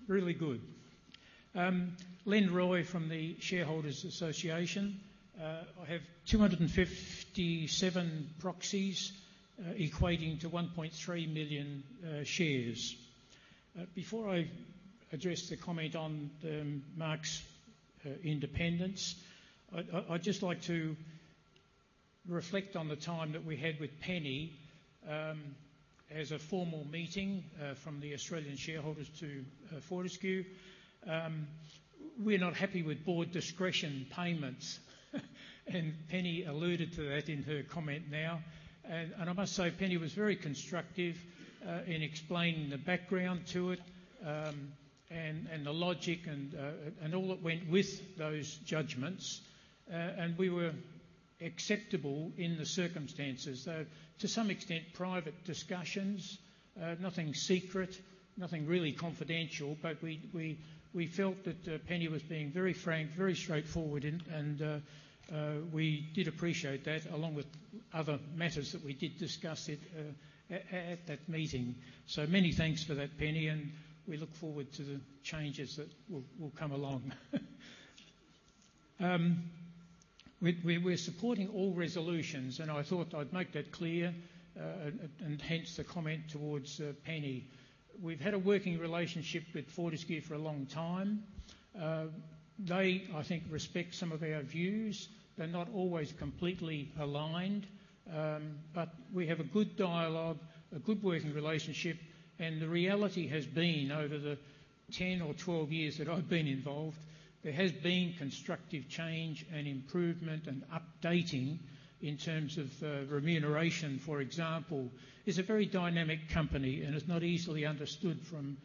Really good. Len Roy from the Shareholders Association. I have 257 proxies, equating to 1.3 million shares. Before I address the comment on Mark's independence, I'd just like to reflect on the time that we had with Penny, as a formal meeting, from the Australian shareholders to Fortescue. We're not happy with Board discretion payments, and Penny alluded to that in her comment now. And I must say, Penny was very constructive in explaining the background to it, and the logic and all that went with those judgments. And we were acceptable in the circumstances, though to some extent, private discussions, nothing secret, nothing really confidential, but we felt that Penny was being very frank, very straightforward, and we did appreciate that, along with other matters that we did discuss at that meeting. So many thanks for that, Penny, and we look forward to the changes that will come along. We're supporting all resolutions, and I thought I'd make that clear, and hence the comment towards Penny. We've had a working relationship with Fortescue for a long time. They, I think, respect some of our views. They're not always completely aligned, but we have a good dialogue, a good working relationship, and the reality has been over the 10 or 12 years that I've been involved, there has been constructive change and improvement and updating in terms of, remuneration, for example. It's a very dynamic company and is not easily understood from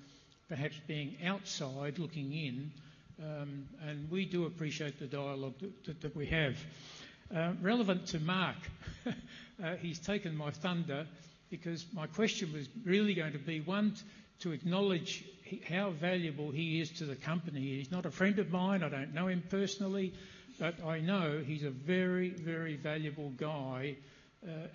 perhaps being outside looking in, and we do appreciate the dialogue that we have. Relevant to Mark, he's taken my thunder because my question was really going to be, one, to acknowledge how valuable he is to the company. He's not a friend of mine. I don't know him personally, but I know he's a very, very valuable guy,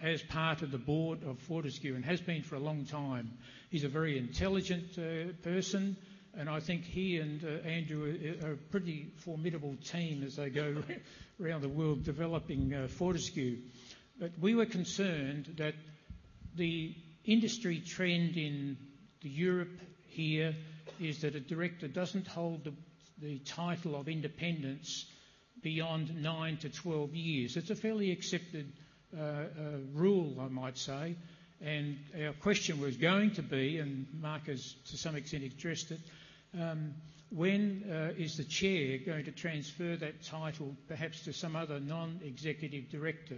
as part of the Board of Fortescue and has been for a long time. He's a very intelligent person, and I think he and Andrew are a pretty formidable team as they go around the world developing Fortescue. But we were concerned that the industry trend in Europe here is that a director doesn't hold the title of independence beyond nine to 12 years. It's a fairly accepted rule, I might say, and our question was going to be, and Mark has to some extent addressed it, when is the chair going to transfer that title perhaps to some other non-executive director?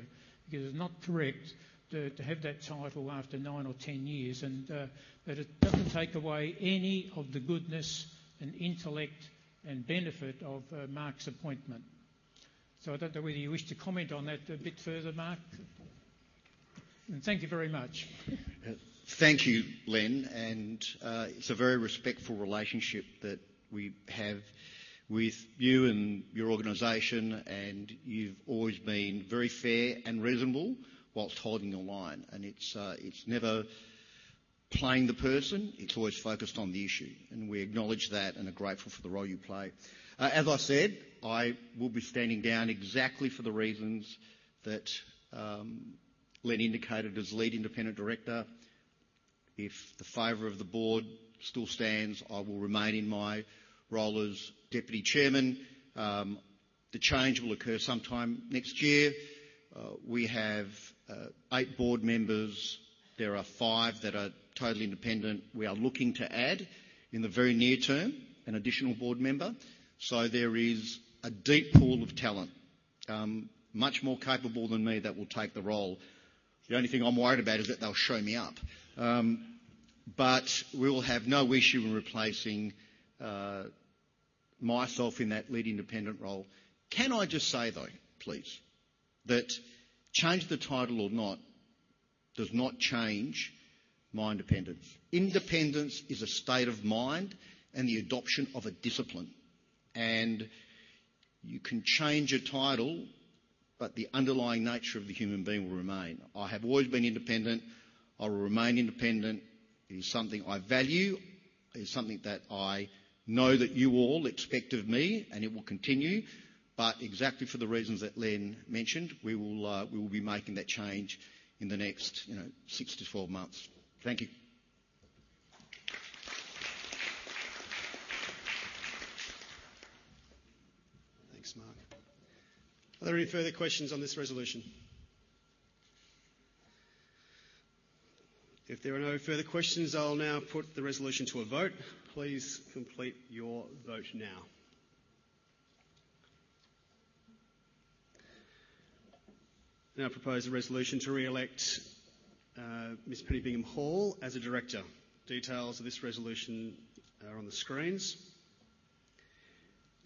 Because it's not correct to have that title after nine or 10 years, and but it doesn't take away any of the goodness and intellect and benefit of Mark's appointment. So I don't know whether you wish to comment on that a bit further, Mark? And thank you very much. Thank you, Len, and it's a very respectful relationship that we have with you and your organization, and you've always been very fair and reasonable while holding the line. It's never playing the person, it's always focused on the issue, and we acknowledge that and are grateful for the role you play. As I said, I will be standing down exactly for the reasons that Len indicated as lead independent director. If the favor of the Board still stands, I will remain in my role as deputy chairman. The change will occur sometime next year. We have 8 Board members. There are 5 that are totally independent. We are looking to add, in the very near term, an additional Board member. There is a deep pool of talent, much more capable than me, that will take the role. The only thing I'm worried about is that they'll show me up. But we will have no issue in replacing myself in that lead independent role. Can I just say, though, please, that change the title or not, does not change my independence. Independence is a state of mind and the adoption of a discipline, and you can change a title, but the underlying nature of the human being will remain. I have always been independent. I will remain independent. It is something I value. It is something that I know that you all expect of me, and it will continue. But exactly for the reasons that Len mentioned, we will be making that change in the next, you know, 6-12 months. Thank you. Thanks, Mark. Are there any further questions on this resolution? If there are no further questions, I'll now put the resolution to a vote. Please complete your vote now. I now propose a resolution to re-elect Ms. Penny Bingham-Hall as a director. Details of this resolution are on the screens.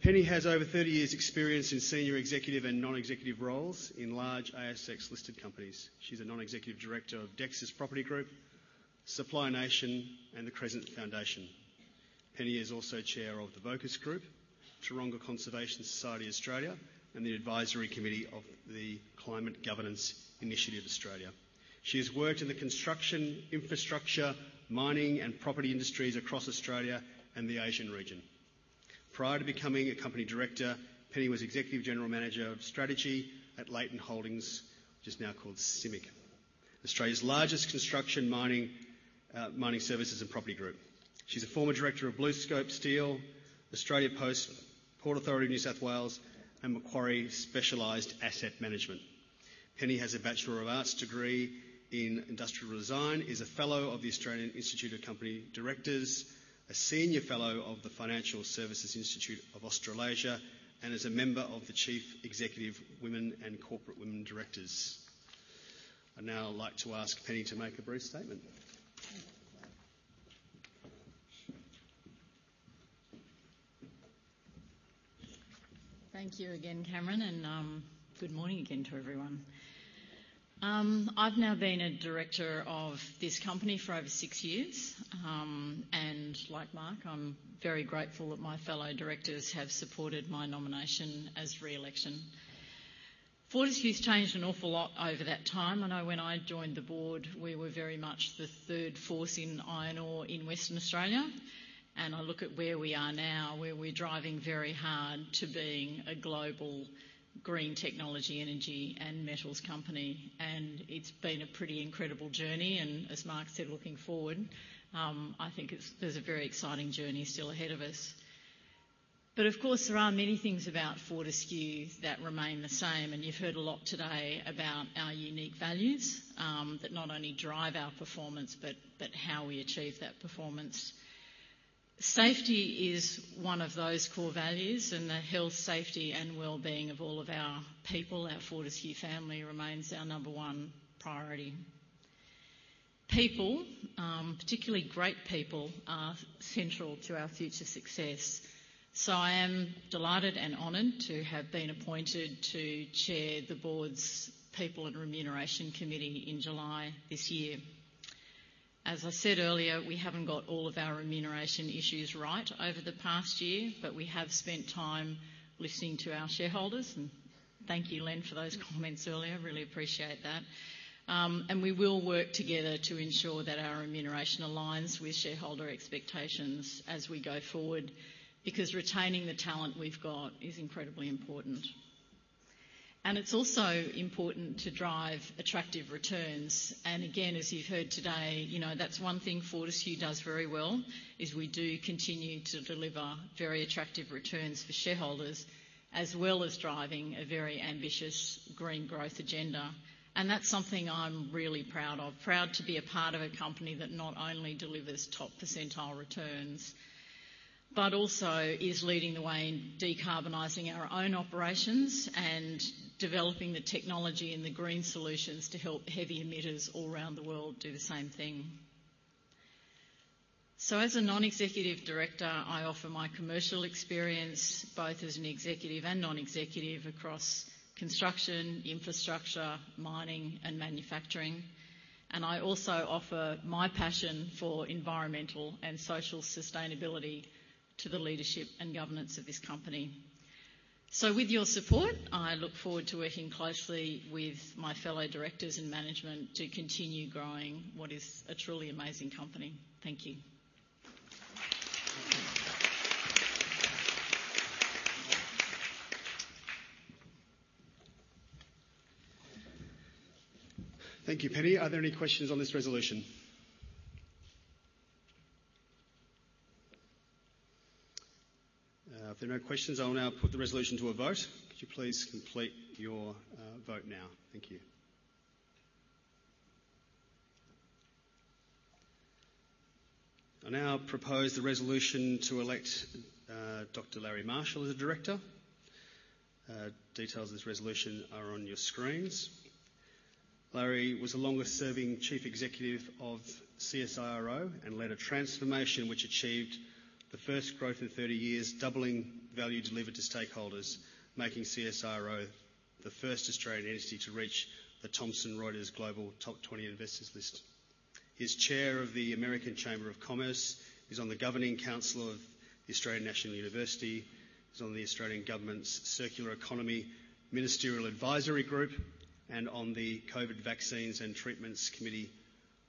Penny has over 30 years' experience in senior executive and non-executive roles in large ASX-listed companies. She's a non-executive director of Dexus Property Group, Supply Nation, and the Crescent Foundation. Penny is also Chair of the Vocus Group, Taronga Conservation Society Australia, and the advisory committee of the Climate Governance Initiative Australia. She has worked in the construction, infrastructure, mining, and property industries across Australia and the Asian region. Prior to becoming a company director, Penny was executive general manager of strategy at Leighton Holdings, which is now called CIMIC, Australia's largest construction, mining, mining services, and property group. She's a former director of BlueScope Steel, Australia Post, Port Authority of New South Wales, and Macquarie Specialized Asset Management. Penny has a Bachelor of Arts degree in Industrial Design, is a fellow of the Australian Institute of Company Directors, a senior fellow of the Financial Services Institute of Australasia, and is a member of the Chief Executive Women and Corporate Women Directors. I'd now like to ask Penny to make a brief statement. Thank you again, Cameron, and good morning again to everyone. I've now been a director of this company for over six years, and like Mark, I'm very grateful that my fellow directors have supported my nomination as re-election. Fortescue's changed an awful lot over that time. I know when I joined the Board, we were very much the third force in iron ore in Western Australia, and I look at where we are now, where we're driving very hard to being a global green technology, energy, and metals company, and it's been a pretty incredible journey. As Mark said, looking forward, I think there's a very exciting journey still ahead of us. But of course, there are many things about Fortescue that remain the same, and you've heard a lot today about our unique values that not only drive our performance, but how we achieve that performance. Safety is one of those core values, and the health, safety, and wellbeing of all of our people, our Fortescue family, remains our number one priority. People, particularly great people, are central to our future success. So I am delighted and honored to have been appointed to chair the Board's People and Remuneration Committee in July this year. As I said earlier, we haven't got all of our remuneration issues right over the past year, but we have spent time listening to our shareholders, and thank you, Len, for those comments earlier. I really appreciate that. And we will work together to ensure that our remuneration aligns with shareholder expectations as we go forward, because retaining the talent we've got is incredibly important, and it's also important to drive attractive returns. And again, as you've heard today, you know, that's one thing Fortescue does very well, is we do continue to deliver very attractive returns for shareholders, as well as driving a very ambitious green growth agenda. And that's something I'm really proud of. Proud to be a part of a company that not only delivers top-percentile returns, but also is leading the way in decarbonizing our own operations and developing the technology and the green solutions to help heavy emitters all around the world do the same thing. So as a non-executive director, I offer my commercial experience, both as an executive and non-executive, across construction, infrastructure, mining, and manufacturing. I also offer my passion for environmental and social sustainability to the leadership and governance of this company. With your support, I look forward to working closely with my fellow directors and management to continue growing what is a truly amazing company. Thank you. Thank you, Penny. Are there any questions on this resolution? If there are no questions, I will now put the resolution to a vote. Could you please complete your vote now? Thank you. I now propose the resolution to elect Dr. Larry Marshall as a director. Details of this resolution are on your screens. Larry was the longest-serving chief executive of CSIRO and led a transformation which achieved the first growth in 30 years, doubling value delivered to stakeholders, making CSIRO the first Australian entity to reach the Thomson Reuters Global Top 20 Innovators list. He's chair of the American Chamber of Commerce. He's on the Governing Council of the Australian National University. He's on the Australian Government's Circular Economy Ministerial Advisory Group, and on the COVID Vaccines and Treatments Committee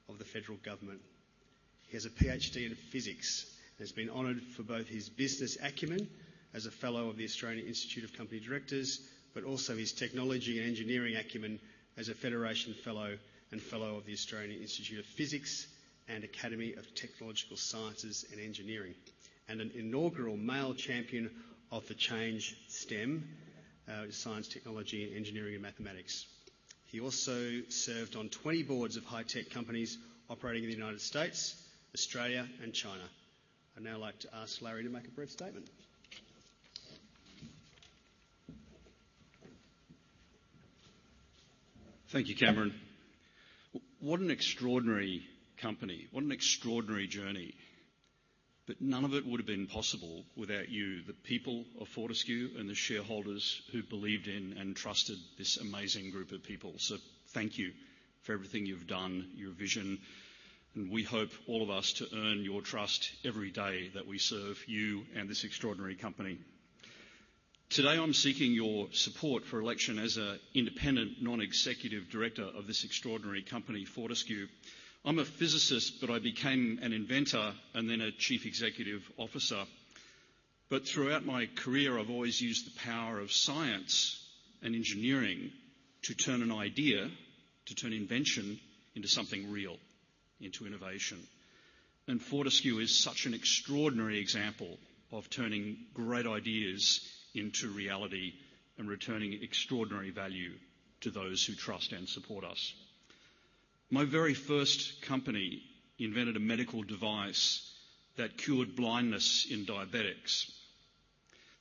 of the federal government. He has a PhD in physics and has been honored for both his business acumen as a fellow of the Australian Institute of Company Directors, but also his technology and engineering acumen as a Federation Fellow and fellow of the Australian Institute of Physics and Academy of Technological Sciences and Engineering, and an inaugural Male Champion of Change STEM, Science, Technology, Engineering and Mathematics. He also served on 20 Boards of high-tech companies operating in the United States, Australia, and China. I'd now like to ask Larry to make a brief statement. Thank you, Cameron. What an extraordinary company. What an extraordinary journey. But none of it would have been possible without you, the people of Fortescue, and the shareholders who believed in and trusted this amazing group of people. So thank you for everything you've done, your vision, and we hope, all of us, to earn your trust every day that we serve you and this extraordinary company. Today, I'm seeking your support for election as an independent non-executive director of this extraordinary company, Fortescue. I'm a physicist, but I became an inventor and then a chief executive officer. But throughout my career, I've always used the power of science and engineering to turn an idea, to turn invention into something real, into innovation. And Fortescue is such an extraordinary example of turning great ideas into reality and returning extraordinary value to those who trust and support us. My very first company invented a medical device that cured blindness in diabetics.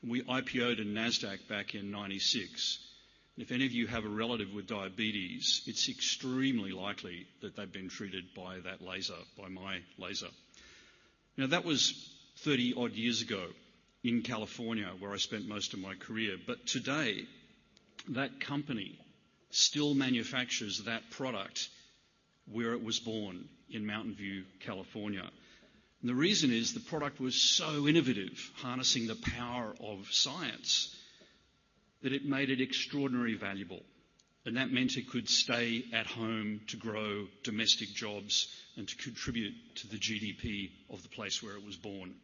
We IPO'd in Nasdaq back in 1996, and if any of you have a relative with diabetes, it's extremely likely that they've been treated by that laser, by my laser. Now, that was thirty-odd years ago in California, where I spent most of my career. But today, that company still manufactures that product where it was born, in Mountain View, California. And the reason is, the product was so innovative, harnessing the power of science, that it made it extraordinarily valuable, and that meant it could stay at home to grow domestic jobs and to contribute to the GDP of the place where it was born.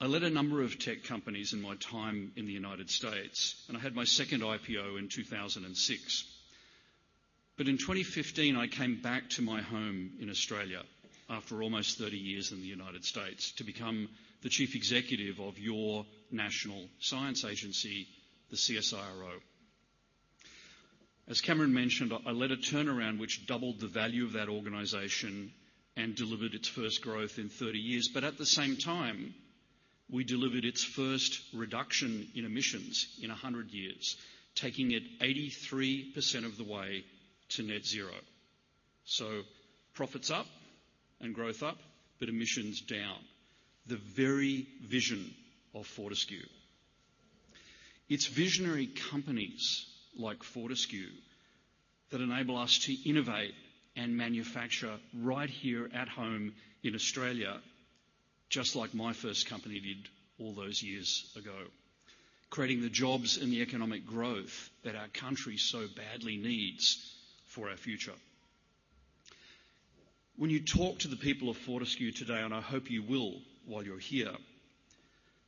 I led a number of tech companies in my time in the United States, and I had my second IPO in 2006. But in 2015, I came back to my home in Australia after almost 30 years in the United States, to become the chief executive of your national science agency, the CSIRO. As Cameron mentioned, I led a turnaround which doubled the value of that organization and delivered its first growth in 30 years. But at the same time, we delivered its first reduction in emissions in 100 years, taking it 83% of the way to Net Zero. So profits up and growth up, but emissions down. The very vision of Fortescue. It's visionary companies like Fortescue that enable us to innovate and manufacture right here at home in Australia, just like my first company did all those years ago, creating the jobs and the economic growth that our country so badly needs for our future. When you talk to the people of Fortescue today, and I hope you will while you're here,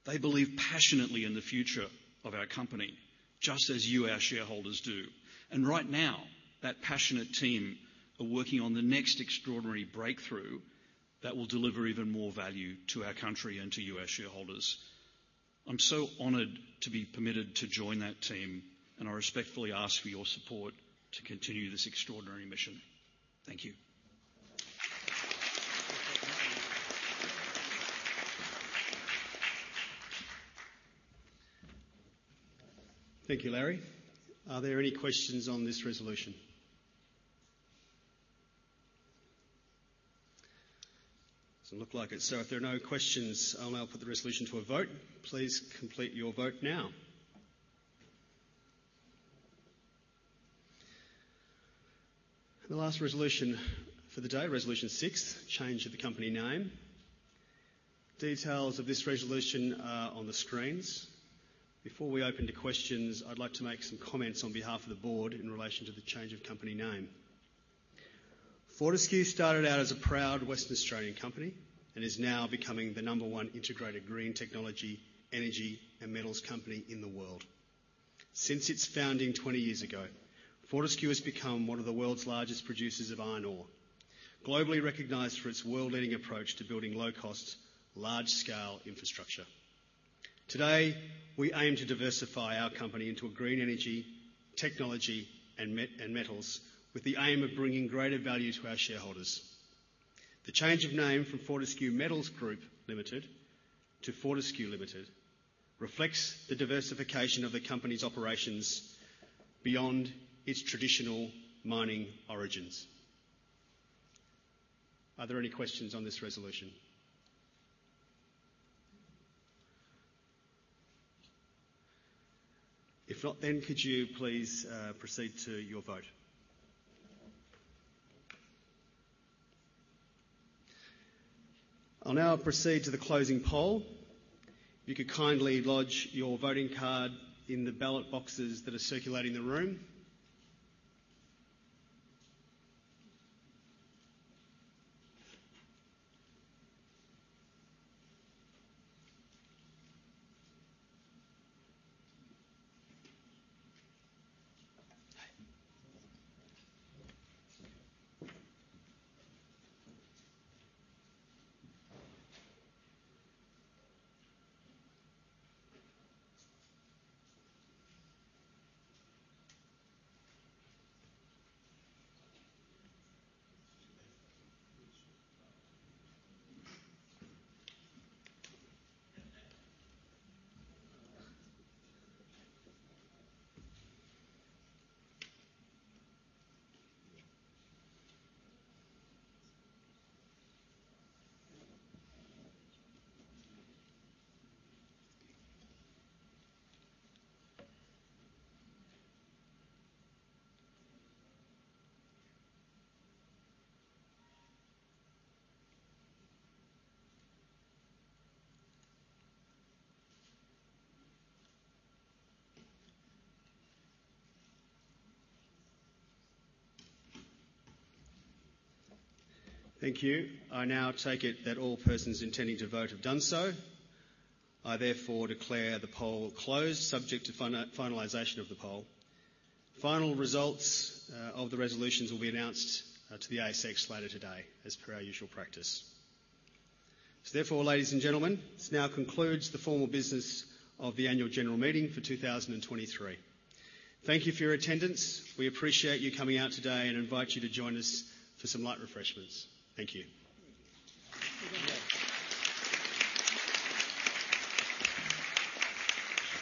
they believe passionately in the future of our company, just as you, our shareholders, do. And right now, that passionate team are working on the next extraordinary breakthrough that will deliver even more value to our country and to you, our shareholders. I'm so honored to be permitted to join that team, and I respectfully ask for your support to continue this extraordinary mission. Thank you. Thank you, Larry. Are there any questions on this resolution? Doesn't look like it. So if there are no questions, I'll now put the resolution to a vote. Please complete your vote now. The last resolution for the day, Resolution 6: change of the company name. Details of this resolution are on the screens. Before we open to questions, I'd like to make some comments on behalf of the Board in relation to the change of company name. Fortescue started out as a proud Western Australian company and is now becoming the number 1 integrated green technology, energy, and metals company in the world. Since its founding 20 years ago, Fortescue has become one of the world's largest producers of iron ore, globally recognized for its world-leading approach to building low-cost, large-scale infrastructure. Today, we aim to diversify our company into a green energy, technology, and metals, with the aim of bringing greater value to our shareholders. The change of name from Fortescue Metals Group Limited to Fortescue Limited reflects the diversification of the company's operations beyond its traditional mining origins. Are there any questions on this resolution? If not, then could you please proceed to your vote? I'll now proceed to the closing poll. If you could kindly lodge your voting card in the ballot boxes that are circulating the room. Thank you. I now take it that all persons intending to vote have done so. I therefore declare the poll closed, subject to finalization of the poll. Final results of the resolutions will be announced to the ASX later today, as per our usual practice. Therefore, ladies and gentlemen, this now concludes the formal business of the Annual General Meeting for 2023. Thank you for your attendance. We appreciate you coming out today, and invite you to join us for some light refreshments. Thank you.